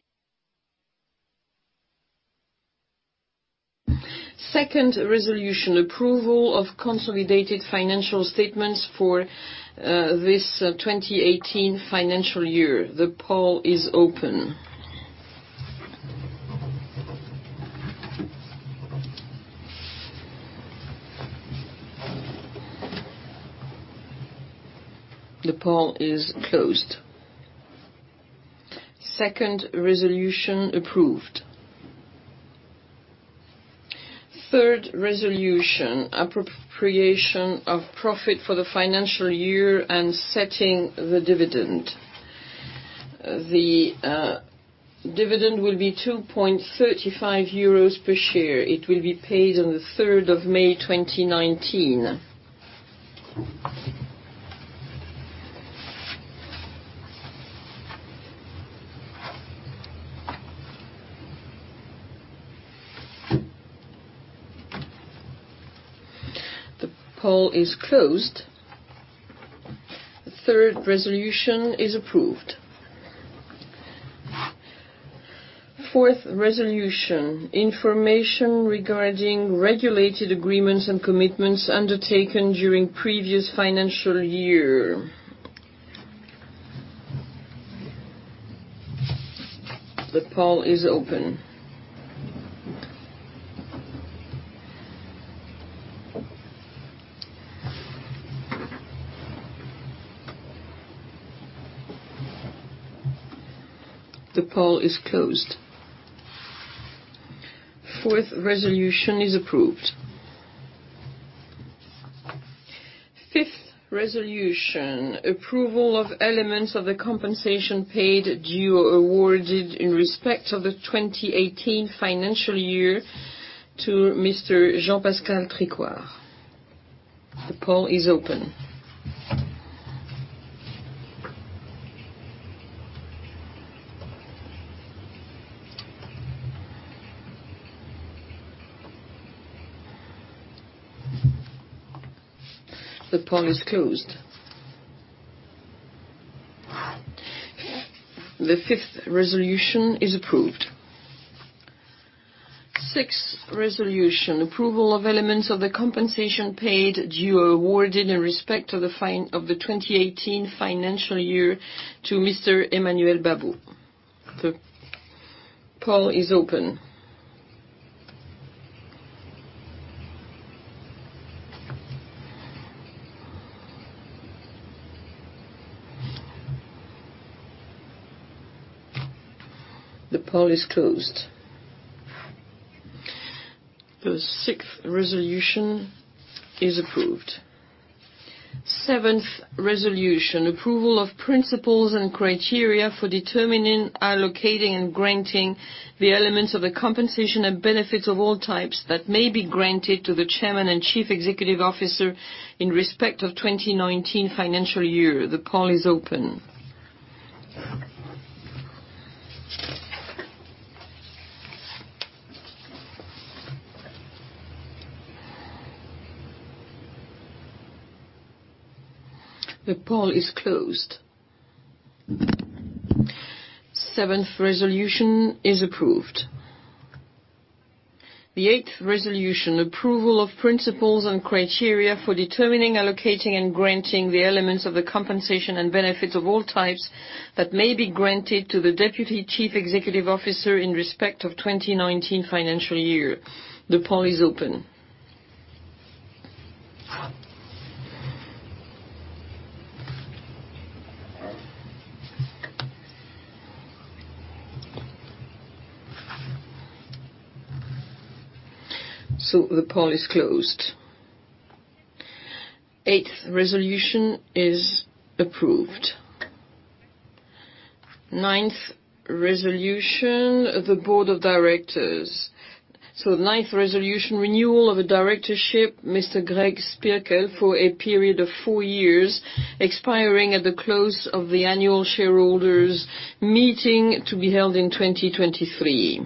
Second resolution, approval of consolidated financial statements for this 2018 financial year. The poll is open. The poll is closed. Second resolution approved. Third resolution, appropriation of profit for the financial year and setting the dividend. The dividend will be 2.35 euros per share. It will be paid on the 3rd of May, 2019. The poll is closed. Third resolution is approved. Fourth resolution, information regarding regulated agreements and commitments undertaken during previous financial year. The poll is open. The poll is closed. Fourth resolution is approved. Fifth resolution, approval of elements of the compensation paid due awarded in respect of the 2018 financial year to Mr. Jean-Pascal Tricoire. The poll is open. The poll is closed. The fifth resolution is approved. Sixth resolution, approval of elements of the compensation paid due awarded in respect of the 2018 financial year to Mr. Emmanuel Babeau. The poll is open. The poll is closed. The sixth resolution is approved. Seventh resolution, approval of principles and criteria for determining, allocating, and granting the elements of a compensation and benefits of all types that may be granted to the Chairman and Chief Executive Officer in respect of 2019 financial year. The poll is open. The poll is closed. Seventh resolution is approved. The eighth resolution, approval of principles and criteria for determining, allocating, and granting the elements of the compensation and benefits of all types that may be granted to the Deputy Chief Executive Officer in respect of 2019 financial year. The poll is open. The poll is closed. Eighth resolution is approved. Ninth resolution, renewal of a directorship, Mr. Gregory Spierkel, for a period of four years, expiring at the close of the annual shareholders meeting to be held in 2023.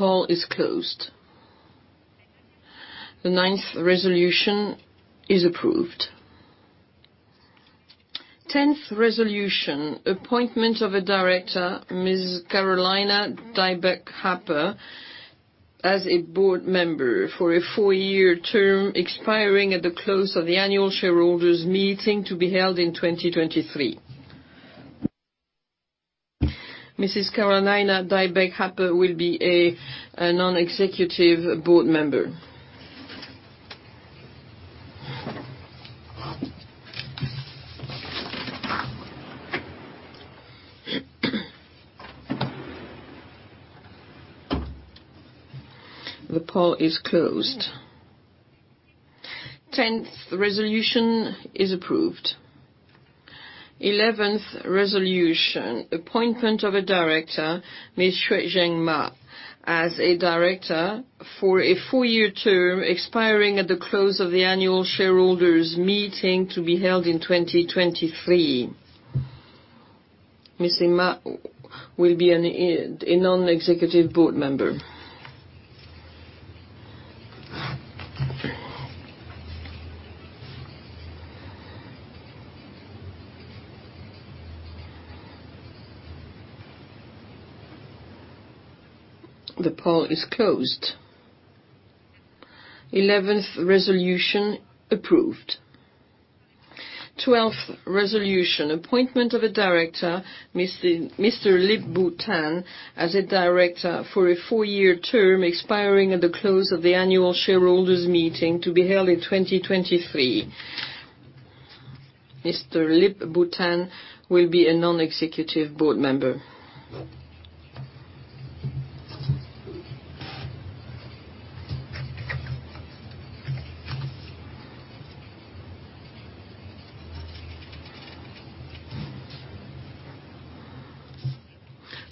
The poll is closed. The ninth resolution is approved. Tenth resolution, appointment of a director, Ms. Carolina Dybeck Happe, as a board member for a four-year term expiring at the close of the annual shareholders meeting to be held in 2023. Mrs. Carolina Dybeck Happe will be a non-executive board member. The poll is closed. Tenth resolution is approved. Eleventh resolution, appointment of a director, Ms. Xiaoyun Ma, as a director for a four-year term expiring at the close of the annual shareholders meeting to be held in 2023. Mrs. Ma will be a non-executive board member. The poll is closed. Eleventh resolution approved. Twelfth resolution, appointment of a director, Mr. Lip-Bu Tan, as a director for a four-year term expiring at the close of the annual shareholders meeting to be held in 2023. Mr. Lip-Bu Tan will be a non-executive board member.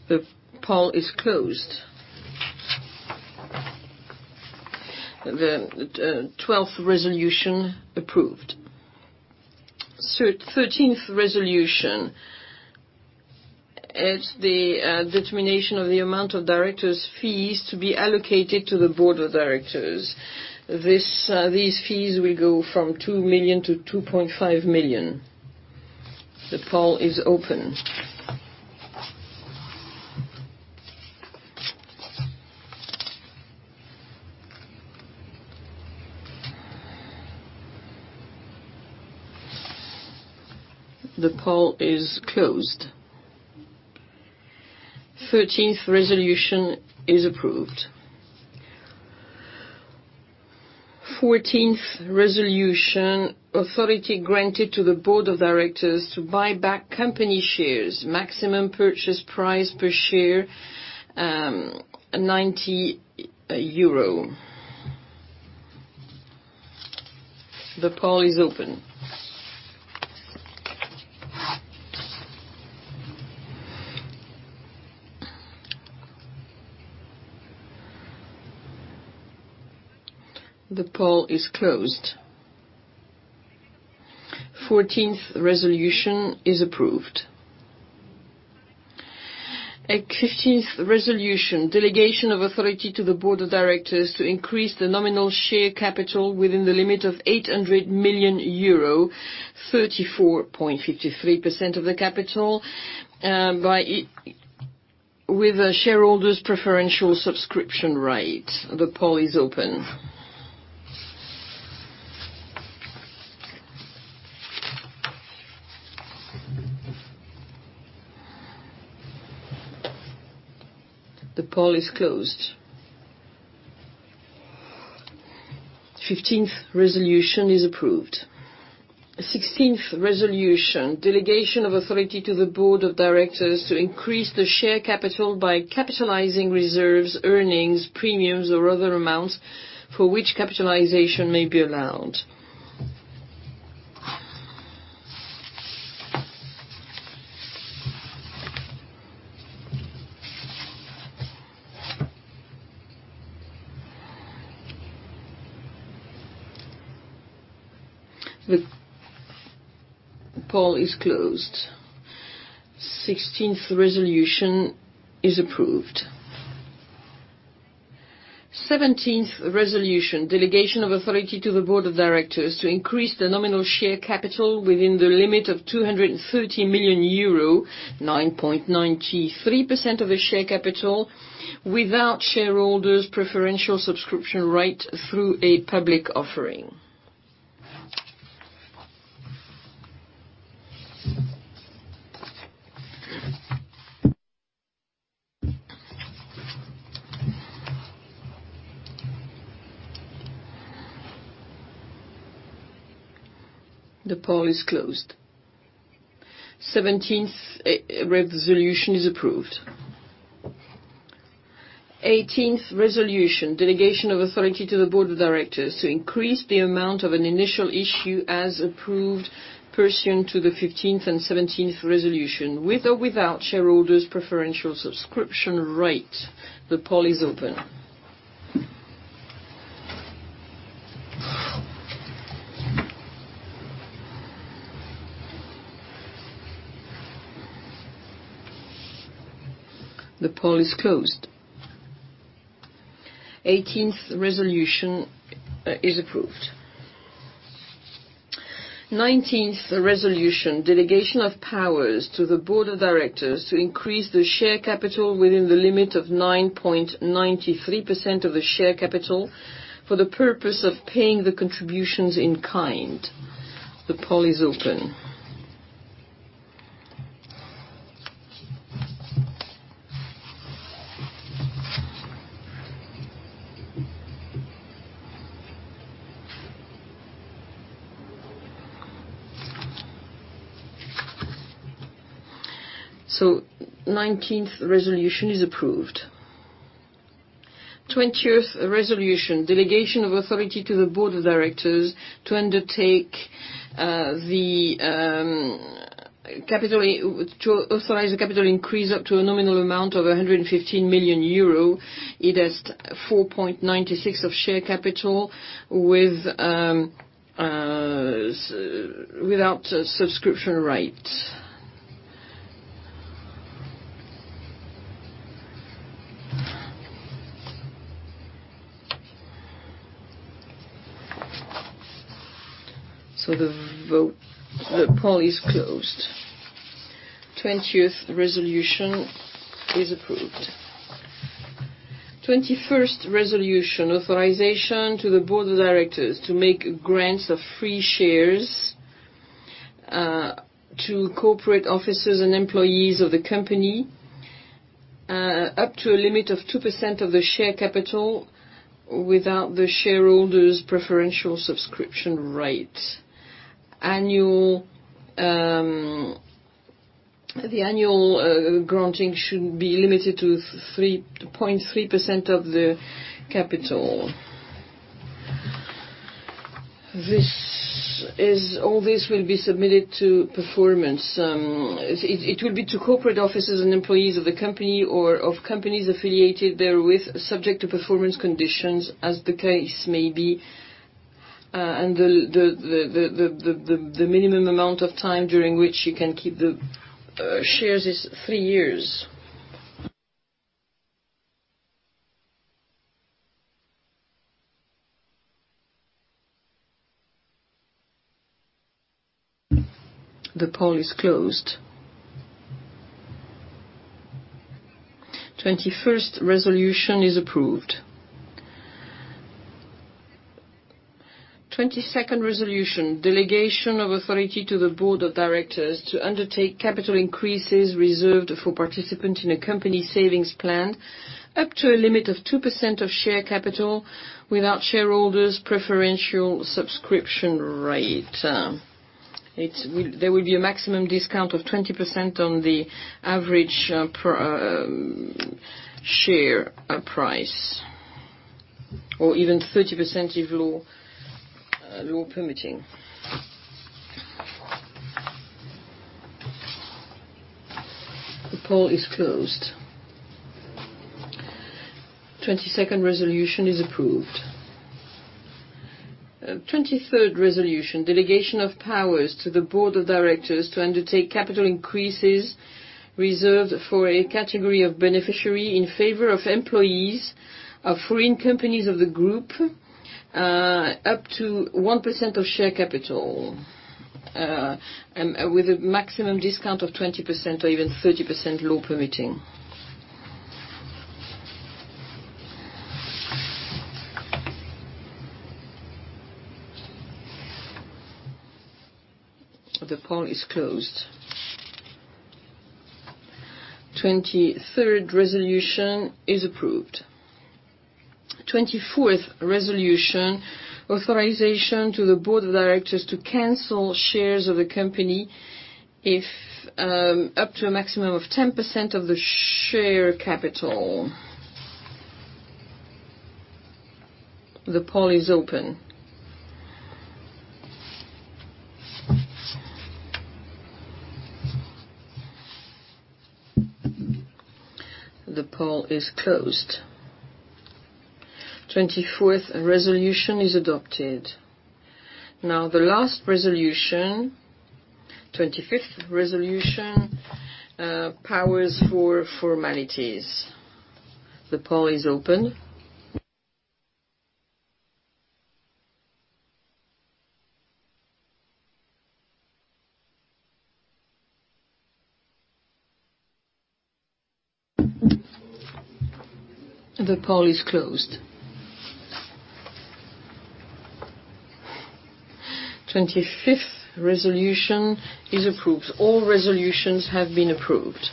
The poll is closed. The twelfth resolution approved. Thirteenth resolution, it's the determination of the amount of directors' fees to be allocated to the Board of Directors. These fees will go from 2 million to 2.5 million. The poll is open. The poll is closed. Thirteenth resolution is approved. Fourteenth resolution, authority granted to the Board of Directors to buy back company shares, maximum purchase price per share, EUR 90. The poll is open. The poll is closed. 14th resolution is approved. 15th resolution, delegation of authority to the Board of Directors to increase the nominal share capital within the limit of 800 million euro, 34.53% of the capital, with a shareholder's preferential subscription rate. The poll is open. The poll is closed. 15th resolution is approved. 16th resolution, delegation of authority to the Board of Directors to increase the share capital by capitalizing reserves, earnings, premiums, or other amounts for which capitalization may be allowed. The poll is closed. 16th resolution is approved. 17th resolution, delegation of authority to the Board of Directors to increase the nominal share capital within the limit of 230 million euro, 9.93% of the share capital, without shareholders preferential subscription rate through a public offering. The poll is closed. 17th resolution is approved. 18th resolution, delegation of authority to the Board of Directors to increase the amount of an initial issue as approved pursuant to the 15th and 17th resolution, with or without shareholders preferential subscription rate. The poll is open. The poll is closed. 18th resolution is approved. 19th resolution, delegation of powers to the Board of Directors to increase the share capital within the limit of 9.93% of the share capital for the purpose of paying the contributions in kind. The poll is open. 19th resolution is approved. 20th resolution, delegation of authority to the Board of Directors to authorize the capital increase up to a nominal amount of 115 million euro. It has 4.96% of share capital without a subscription rate. The poll is closed. 20th resolution is approved. 21st resolution, authorization to the Board of Directors to make grants of free shares to corporate officers and employees of the company up to a limit of 2% of the share capital without the shareholders preferential subscription rate. The annual granting should be limited to 0.3% of the capital. All this will be submitted to performance. It will be to corporate officers and employees of the company or of companies affiliated therewith subject to performance conditions as the case may be. The minimum amount of time during which you can keep the shares is three years. The poll is closed. 21st resolution is approved. 22nd resolution, delegation of authority to the Board of Directors to undertake capital increases reserved for participants in a company savings plan up to a limit of 2% of share capital without shareholders preferential subscription rate. There will be a maximum discount of 20% on the average share price. Even 30% if law permitting. The poll is closed. 22nd resolution is approved. 23rd resolution, delegation of powers to the Board of Directors to undertake capital increases reserved for a category of beneficiary in favor of employees of foreign companies of the group up to 1% of share capital, with a maximum discount of 20% or even 30%, law permitting. The poll is closed. 23rd resolution is approved. 24th resolution, authorization to the Board of Directors to cancel shares of the company up to a maximum of 10% of the share capital. The poll is open. The poll is closed. 24th resolution is adopted. The last resolution, 25th resolution, powers for formalities. The poll is open. The poll is closed. 25th resolution is approved. All resolutions have been approved.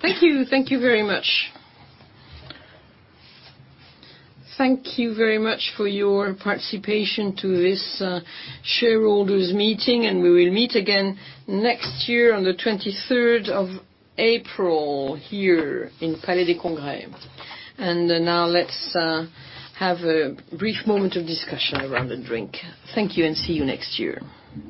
Thank you. Thank you very much. Thank you very much for your participation to this shareholders' meeting. We will meet again next year on the 23rd of April here in Palais des Congrès. Now let's have a brief moment of discussion around a drink. Thank you and see you next year.